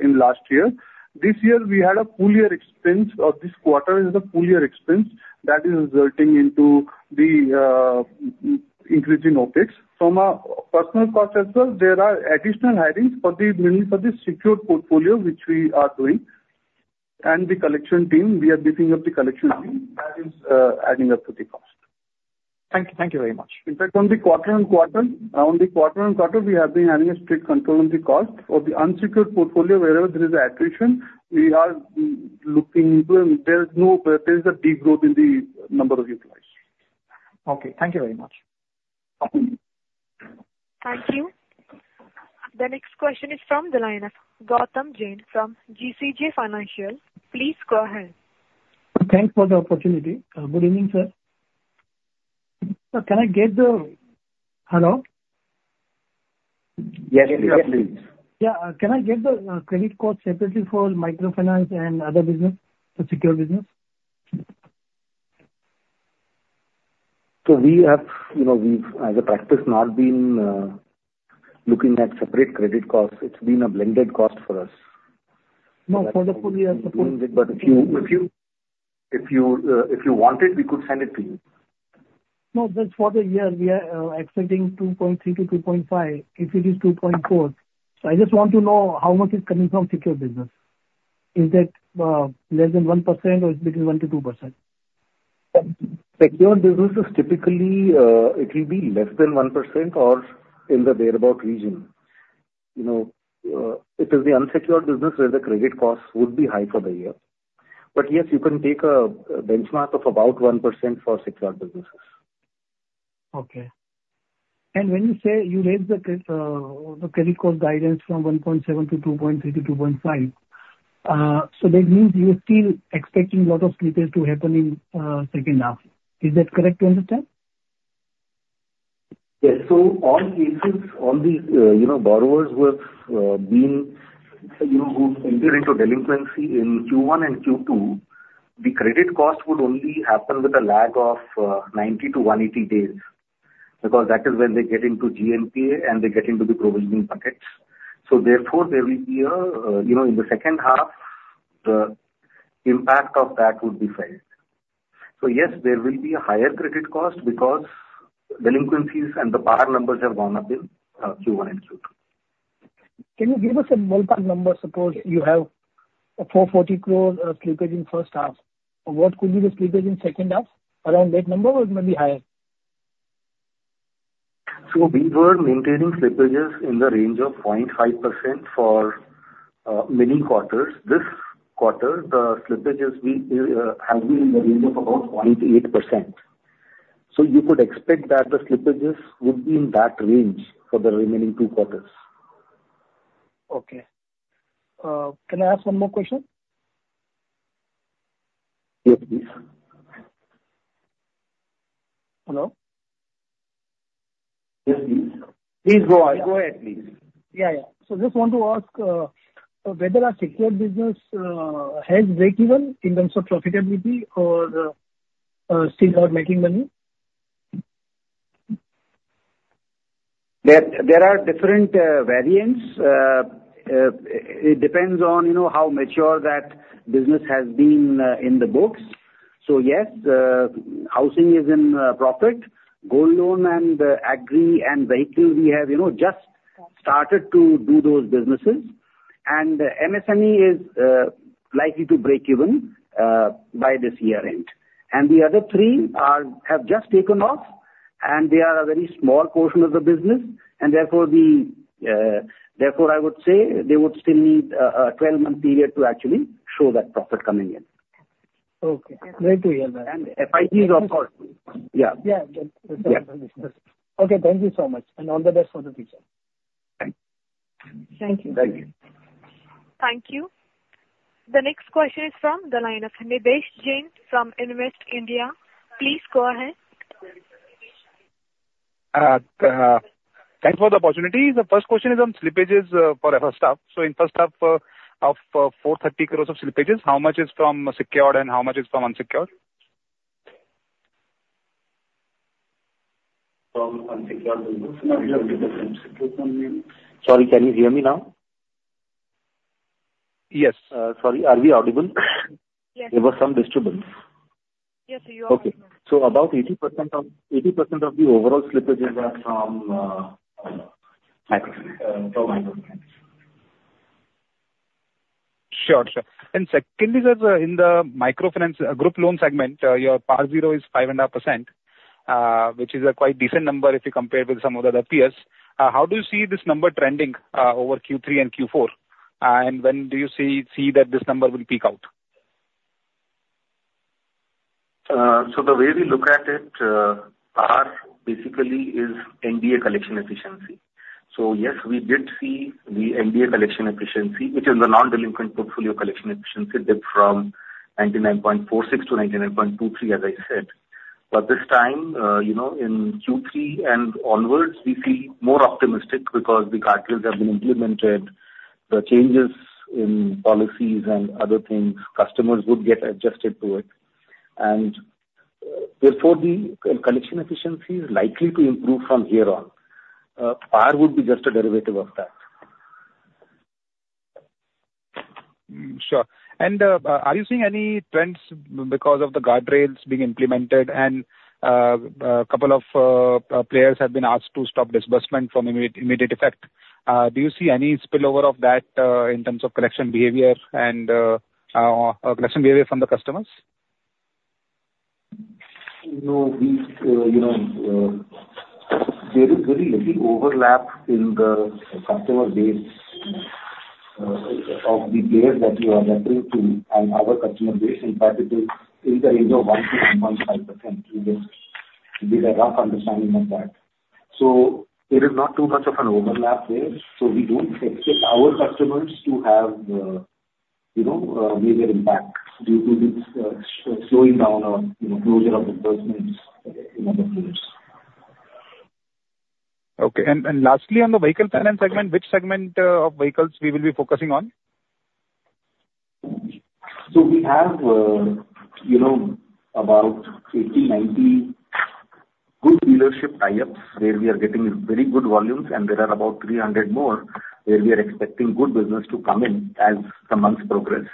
in last year. This year, we had a full year expense. This quarter is the full year expense that is resulting into the increase in OpEx. From a personnel cost as well, there are additional hirings for the mainly for the secured portfolio, which we are doing. And the collection team, we are beefing up the collection team, that is adding up to the cost. Thank you. Thank you very much. In fact, on the quarter on quarter, we have been having a strict control on the cost. For the unsecured portfolio, wherever there is attrition, we are looking to... There's a degrowth in the number of employees. Okay, thank you very much. Thank you. The next question is from the line of Gautam Jain, from GCJ Financial. Please go ahead. Thanks for the opportunity. Good evening, sir. Sir, can I get the... Hello? Yes, yeah, please. Yeah, can I get the credit cost separately for microfinance and other business, the secure business?... So we have, you know, we've, as a practice, not been looking at separate credit costs. It's been a blended cost for us. No, for the full year, for the- But if you want it, we could send it to you. No, just for the year, we are expecting 2.3%-2.5%, if it is 2.4%. So I just want to know how much is coming from secured business. Is that less than 1% or it's between 1%-2%? Secure business is typically, it will be less than 1% or in the thereabout region. You know, it is the unsecured business where the credit costs would be high for the year. But yes, you can take a benchmark of about 1% for secured businesses. Okay. And when you say you raised the credit cost guidance from 1.7 to 2.3 to 2.5, so that means you're still expecting a lot of slippages to happen in second half. Is that correct to understand? Yes. So all cases on the, you know, borrowers who have been, you know, who enter into delinquency in Q1 and Q2, the credit cost would only happen with a lag of ninety to one eighty days, because that is when they get into GNPA and they get into the provisioning buckets. So therefore, there will be a you know, in the second half, the impact of that would be felt. So yes, there will be a higher credit cost because delinquencies and the PAR numbers have gone up in Q1 and Q2. Can you give us a ballpark number? Suppose you have a 4.40 close, slippage in first half, what could be the slippage in second half? Around that number or it may be higher? So we were maintaining slippages in the range of 0.5% for many quarters. This quarter, the slippages will have been in the range of about 0.8%. So you could expect that the slippages would be in that range for the remaining two quarters. Okay. Can I ask one more question? Yes, please. Hello? Yes, please. Please go on. Go ahead, please. Yeah, yeah. So just want to ask whether our secured business has break-even in terms of profitability or still not making money? There are different variants. It depends on, you know, how mature that business has been in the books. So yes, housing is in profit. Gold loan and agri and vehicle, we have, you know, just started to do those businesses. And MSME is likely to break even by this year end. And the other three have just taken off, and they are a very small portion of the business, and therefore, I would say they would still need a twelve-month period to actually show that profit coming in. Okay. Great to hear that. FY is, of course... Yeah. Yeah, that's another business. Yeah. Okay, thank you so much, and all the best for the future. Thank you. Thank you. Thank you. Thank you. The next question is from the line of Nivesh Jain from Investce. Please go ahead. Thanks for the opportunity. The first question is on slippages for first half. So in first half of 430 crores of slippages, how much is from secured and how much is from unsecured? From unsecured, sorry, can you hear me now? Yes. Sorry, are we audible? Yes. There was some disturbance. Yes, we hear you now. Okay, so about 80% of the overall slippages are from microfinance. Sure, sure. And secondly, sir, in the microfinance group loan segment, your PAR zero is 5.5%, which is a quite decent number if you compare with some of the other peers. How do you see this number trending over Q3 and Q4? And when do you see that this number will peak out? So the way we look at it, PAR basically is NDA collection efficiency. So yes, we did see the NDA collection efficiency, which is the non-delinquent portfolio collection efficiency, dip from 99.46% to 99.23%, as I said. But this time, you know, in Q3 and onwards, we feel more optimistic because the guardrails have been implemented, the changes in policies and other things, customers would get adjusted to it. And therefore, the collection efficiency is likely to improve from here on. PAR would be just a derivative of that. Sure. Are you seeing any trends because of the guardrails being implemented and a couple of players have been asked to stop disbursement with immediate effect? Do you see any spillover of that in terms of collection behavior from the customers? No, we, you know, there is very little overlap in the customer base of the players that you are referring to and our customer base. In fact, it is in the range of 1-1.5%. It is, it is a rough understanding of that. So there is not too much of an overlap there, so we don't expect our customers to have, you know, major impact due to this slowing down or, you know, closure of disbursements in other fields. Okay. And lastly, on the vehicle finance segment, which segment of vehicles we will be focusing on?... So we have, you know, about 80-90 good dealership tie-ups, where we are getting very good volumes, and there are about 300 more, where we are expecting good business to come in as the months progress.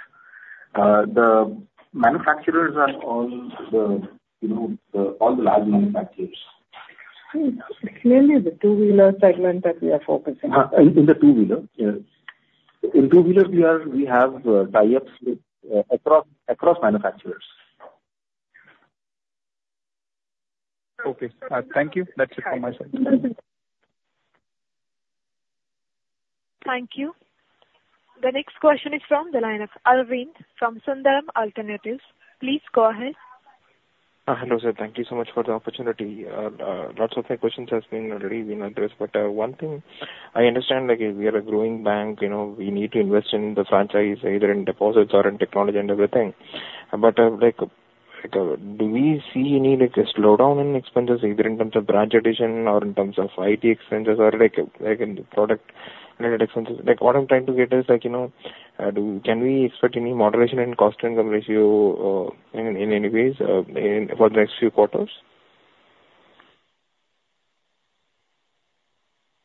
The manufacturers are all, you know, the large manufacturers. It's mainly the two-wheeler segment that we are focusing. In the two-wheeler, yes. In two-wheeler, we have tie-ups with across manufacturers. Okay. Thank you. That's it from my side. Mm-hmm. Thank you. The next question is from the line of Arvind, from Sundaram Alternates. Please go ahead. Hello, sir. Thank you so much for the opportunity. Lots of my questions has been already addressed, but, one thing, I understand, like, if we are a growing bank, you know, we need to invest in the franchise, either in deposits or in technology and everything. But, like, do we see any, like, a slowdown in expenses, either in terms of branch addition or in terms of IT expenses or, like, in product-related expenses? Like, what I'm trying to get is, like, you know, Can we expect any moderation in cost income ratio, in any ways, in, for the next few quarters?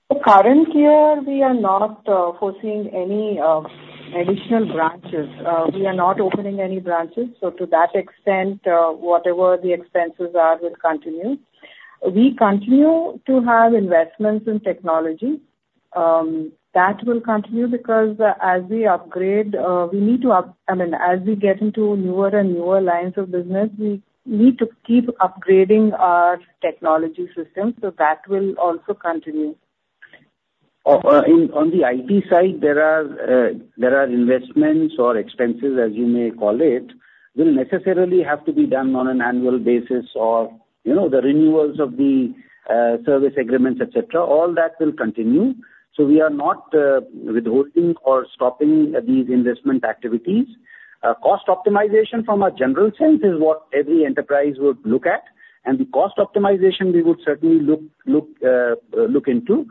The current year, we are not foreseeing any additional branches. We are not opening any branches, so to that extent, whatever the expenses are will continue. We continue to have investments in technology. That will continue because, as we upgrade, I mean, as we get into newer and newer lines of business, we need to keep upgrading our technology system, so that will also continue. Oh, in, on the IT side, there are investments or expenses, as you may call it, will necessarily have to be done on an annual basis or, you know, the renewals of the service agreements, et cetera. All that will continue. So we are not withholding or stopping these investment activities. Cost optimization from a general sense is what every enterprise would look at, and the cost optimization we would certainly look into.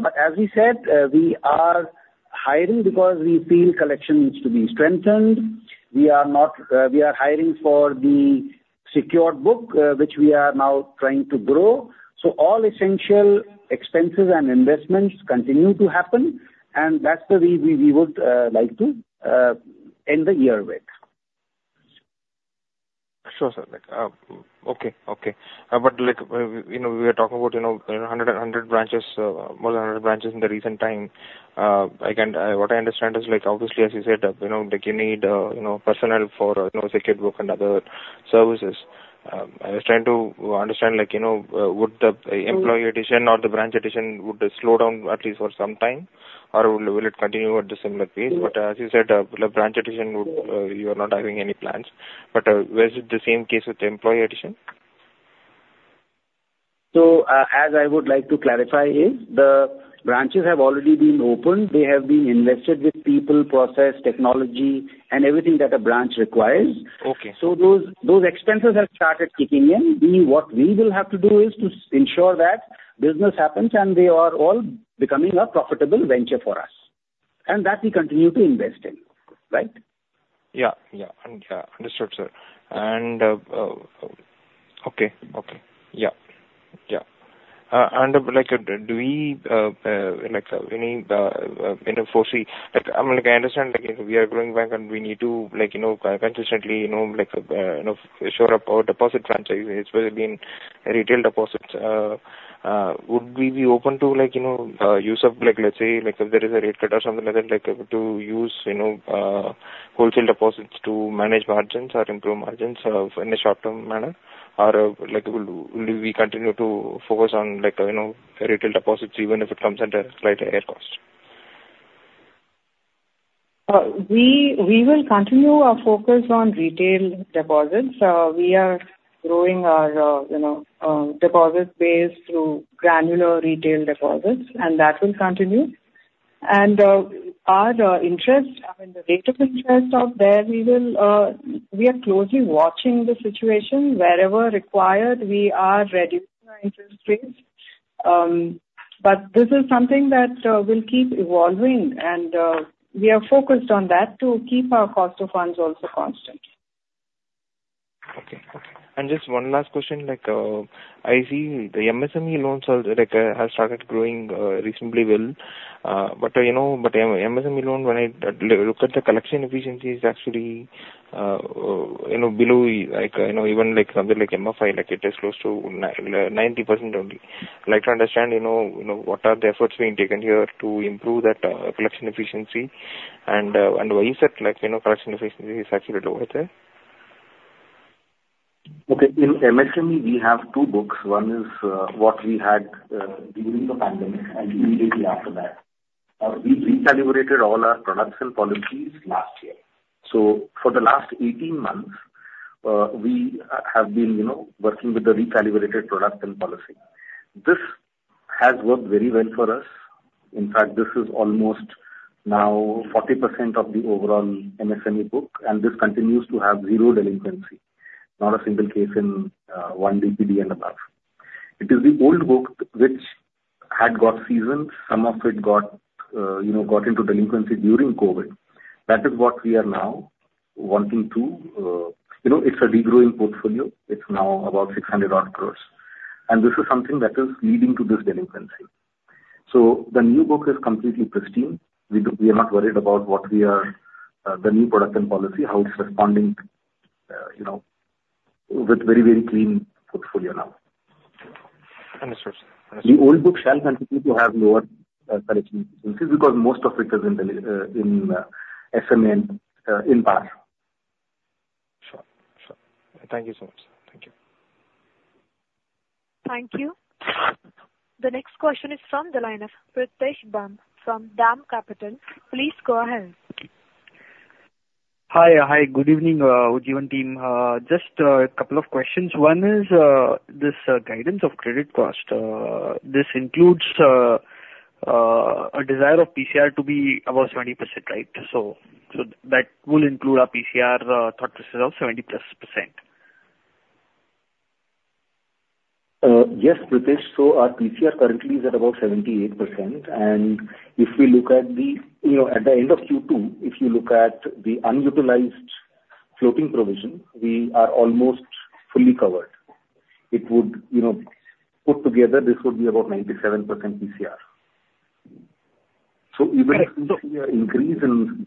But as we said, we are hiring because we feel collection needs to be strengthened. We are not... We are hiring for the secured book, which we are now trying to grow. So all essential expenses and investments continue to happen, and that's the way we would like to end the year with. Sure, sir. Like, okay, okay. But like, you know, we are talking about, you know, 100, 100 branches, more than 100 branches in the recent time. I can, what I understand is like, obviously, as you said, you know, like you need, you know, personnel for, you know, secured book and other services. I was trying to understand, like, you know, would the employee addition or the branch addition would slow down at least for some time, or will it continue at the similar pace? But as you said, the branch addition would, you are not having any plans, but, was it the same case with the employee addition? As I would like to clarify, the branches have already been opened. They have been invested with people, process, technology, and everything that a branch requires. Okay. So those expenses have started kicking in. What we will have to do is to ensure that business happens, and they are all becoming a profitable venture for us, and that we continue to invest in, right? Yeah, understood, sir. And okay. Yeah. And like, do we, like, we need, you know, foresee. Like, I mean, like, I understand, like, we are a growing bank, and we need to, like, you know, consistently, you know, like, you know, ensure our deposit franchise, especially in retail deposits. Would we be open to, like, you know, use of, like, let's say, like, if there is a rate cut or something like that, like, able to use, you know, wholesale deposits to manage margins or improve margins, in the short-term manner? Or, like, will we continue to focus on, like, you know, retail deposits, even if it comes at a slightly higher cost? We will continue our focus on retail deposits. We are growing our, you know, deposit base through granular retail deposits, and that will continue, and our interest, I mean, the rate of interest out there, we are closely watching the situation. Wherever required, we are reducing our interest rates, but this is something that will keep evolving, and we are focused on that to keep our cost of funds also constant. Okay. Okay, and just one last question, like, I see the MSME loans are, like, have started growing, reasonably well. But, you know, but MSME loan, when I look at the collection efficiency, is actually, you know, below, like, you know, even like something like MFI, like, it is close to 90% only. I'd like to understand, you know, you know, what are the efforts being taken here to improve that, collection efficiency? And, and why is that, like, you know, collection efficiency is actually lower there? Okay. In MSME, we have two books. One is what we had during the pandemic and immediately after that. We recalibrated all our products and policies last year. So for the last 18 months, we have been, you know, working with the recalibrated product and policy. This has worked very well for us. In fact, this is almost now 40% of the overall MSME book, and this continues to have zero delinquency. Not a single case in one DPD and above. It is the old book which had got seasoned. Some of it got, you know, into delinquency during COVID. That is what we are now wanting to, you know, it's a degrowing portfolio. It's now about 600 odd crores, and this is something that is leading to this delinquency. So the new book is completely pristine. We are not worried about what we are, the new product and policy, how it's responding, you know, with very, very clean portfolio now. Understood, sir. The old book shall continue to have lower collection because most of it is in the SMA in Bihar. Sure. Sure. Thank you so much, sir. Thank you. Thank you. The next question is from the line of Pritesh Bumb, from DAM Capital. Please go ahead. Hi. Hi, good evening, Ujjivan team. Just a couple of questions. One is this guidance of credit cost. This includes a desire of PCR to be above 70%, right? So that will include our PCR thought process of 70-plus%. Yes, Pritesh. So our PCR currently is at about 78%, and if we look at the... You know, at the end of Q2, if you look at the unutilized floating provision, we are almost fully covered. It would, you know, put together, this would be about 97% PCR. So even if we see an increase in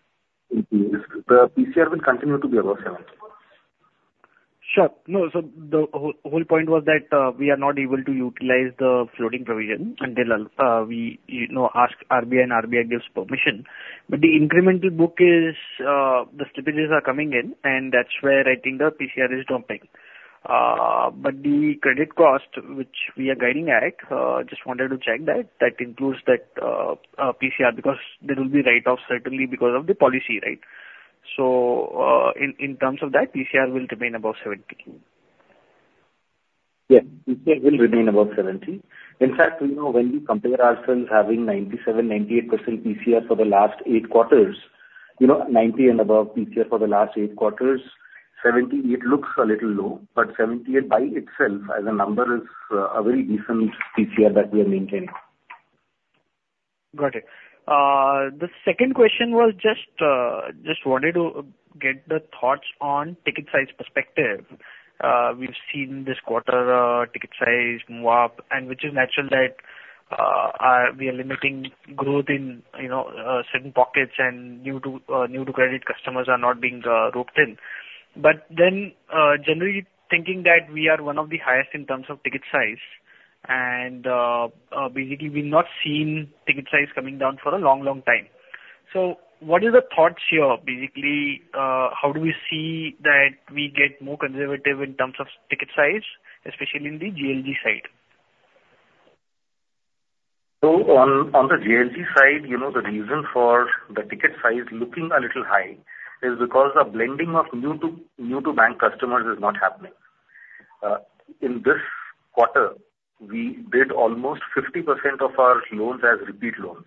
NPLs, the PCR will continue to be above 70%. Sure. No, so the whole point was that we are not able to utilize the floating provision until we you know ask RBI and RBI gives permission. But the incremental book is the slippages are coming in, and that's where I think the PCR is dropping. But the credit cost, which we are guiding at, just wanted to check that that includes that PCR, because there will be write-off certainly because of the policy, right? So in terms of that, PCR will remain above 70%. Yes, PCR will remain above 70%. In fact, you know, when we compare ourselves having 97%, 98% PCR for the last eight quarters, you know, 90% and above PCR for the last eight quarters, 70%, it looks a little low, but 78% by itself as a number is a very decent PCR that we are maintaining. Got it. The second question was just wanted to get the thoughts on ticket size perspective. We've seen this quarter, ticket size move up, and which is natural that, we are limiting growth in, you know, certain pockets and new to credit customers are not being roped in. But then, generally thinking that we are one of the highest in terms of ticket size, and, basically we've not seen ticket size coming down for a long, long time. So what are the thoughts here? Basically, how do we see that we get more conservative in terms of ticket size, especially in the JLG side? On the JLG side, you know, the reason for the ticket size looking a little high is because the blending of new to bank customers is not happening. In this quarter, we did almost 50% of our loans as repeat loans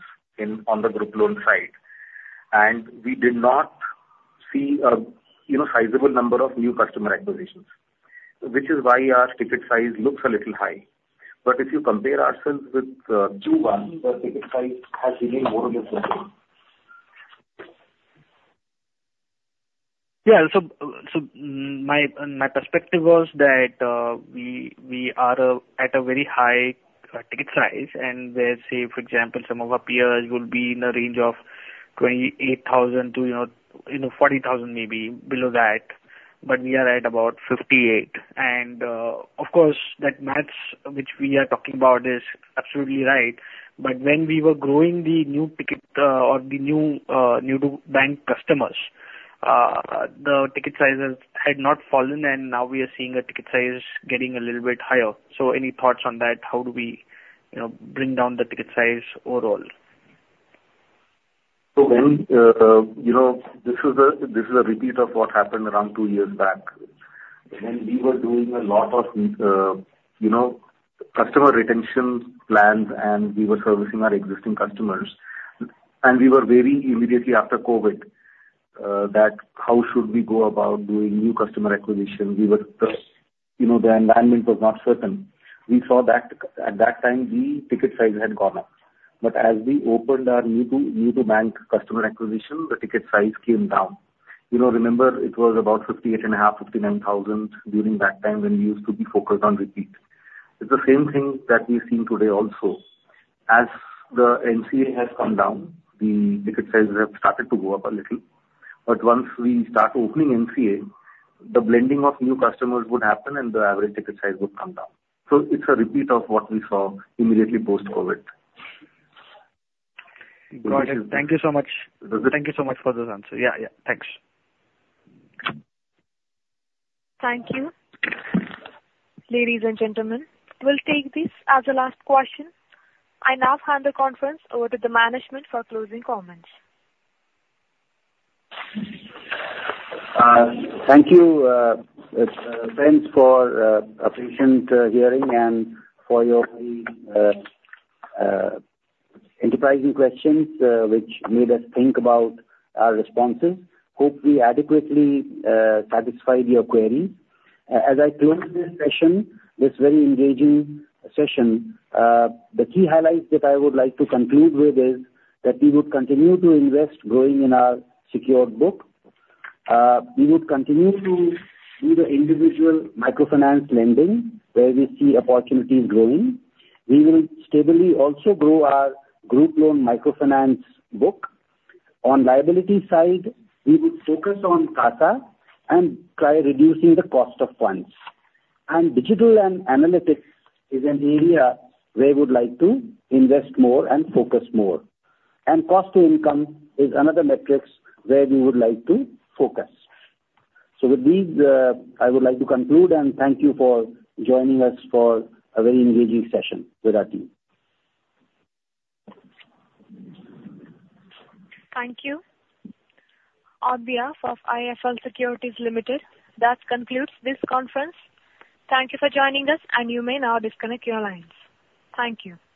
on the group loan side, and we did not see a you know, sizable number of new customer acquisitions, which is why our ticket size looks a little high. But if you compare ourselves with Q1, the ticket size has remained more or less the same. Yeah, so my perspective was that we are at a very high ticket size, and where, say, for example, some of our peers would be in the range of 28,000 to, you know, 40,000, maybe below that, but we are at about 58,000, and of course, that math which we are talking about is absolutely right, but when we were growing the new ticket or the new to bank customers, the ticket sizes had not fallen, and now we are seeing a ticket size getting a little bit higher, so any thoughts on that? How do we, you know, bring down the ticket size overall? So when, you know, this is a repeat of what happened around two years back, when we were doing a lot of, you know, customer retention plans, and we were servicing our existing customers. And we were very immediately after COVID, that how should we go about doing new customer acquisition? We were, you know, the environment was not certain. We saw that, at that time, the ticket size had gone up. But as we opened our new to bank customer acquisition, the ticket size came down. You know, remember, it was about 58,500-59,000 during that time when we used to be focused on repeat. It's the same thing that we're seeing today also. As the NCA has come down, the ticket sizes have started to go up a little. But once we start opening NCA, the blending of new customers would happen and the average ticket size would come down. So it's a repeat of what we saw immediately post-COVID. Got it. Thank you so much. Mm-hmm. Thank you so much for this answer. Yeah, yeah. Thanks. Thank you. Ladies and gentlemen, we'll take this as the last question. I now hand the conference over to the management for closing comments. Thank you, friends, for patient hearing and for your enterprising questions, which made us think about our responses. Hope we adequately satisfied your queries. As I close this session, this very engaging session, the key highlights that I would like to conclude with is that we would continue to invest growing in our secured book. We would continue to do the individual microfinance lending, where we see opportunities growing. We will steadily also grow our group loan microfinance book. On liability side, we will focus on CASA and try reducing the cost of funds. And digital and analytics is an area where we would like to invest more and focus more. And cost to income is another metrics where we would like to focus. So with this, I would like to conclude and thank you for joining us for a very engaging session with our team. Thank you. On behalf of IIFL Securities Limited, that concludes this conference. Thank you for joining us, and you may now disconnect your lines. Thank you.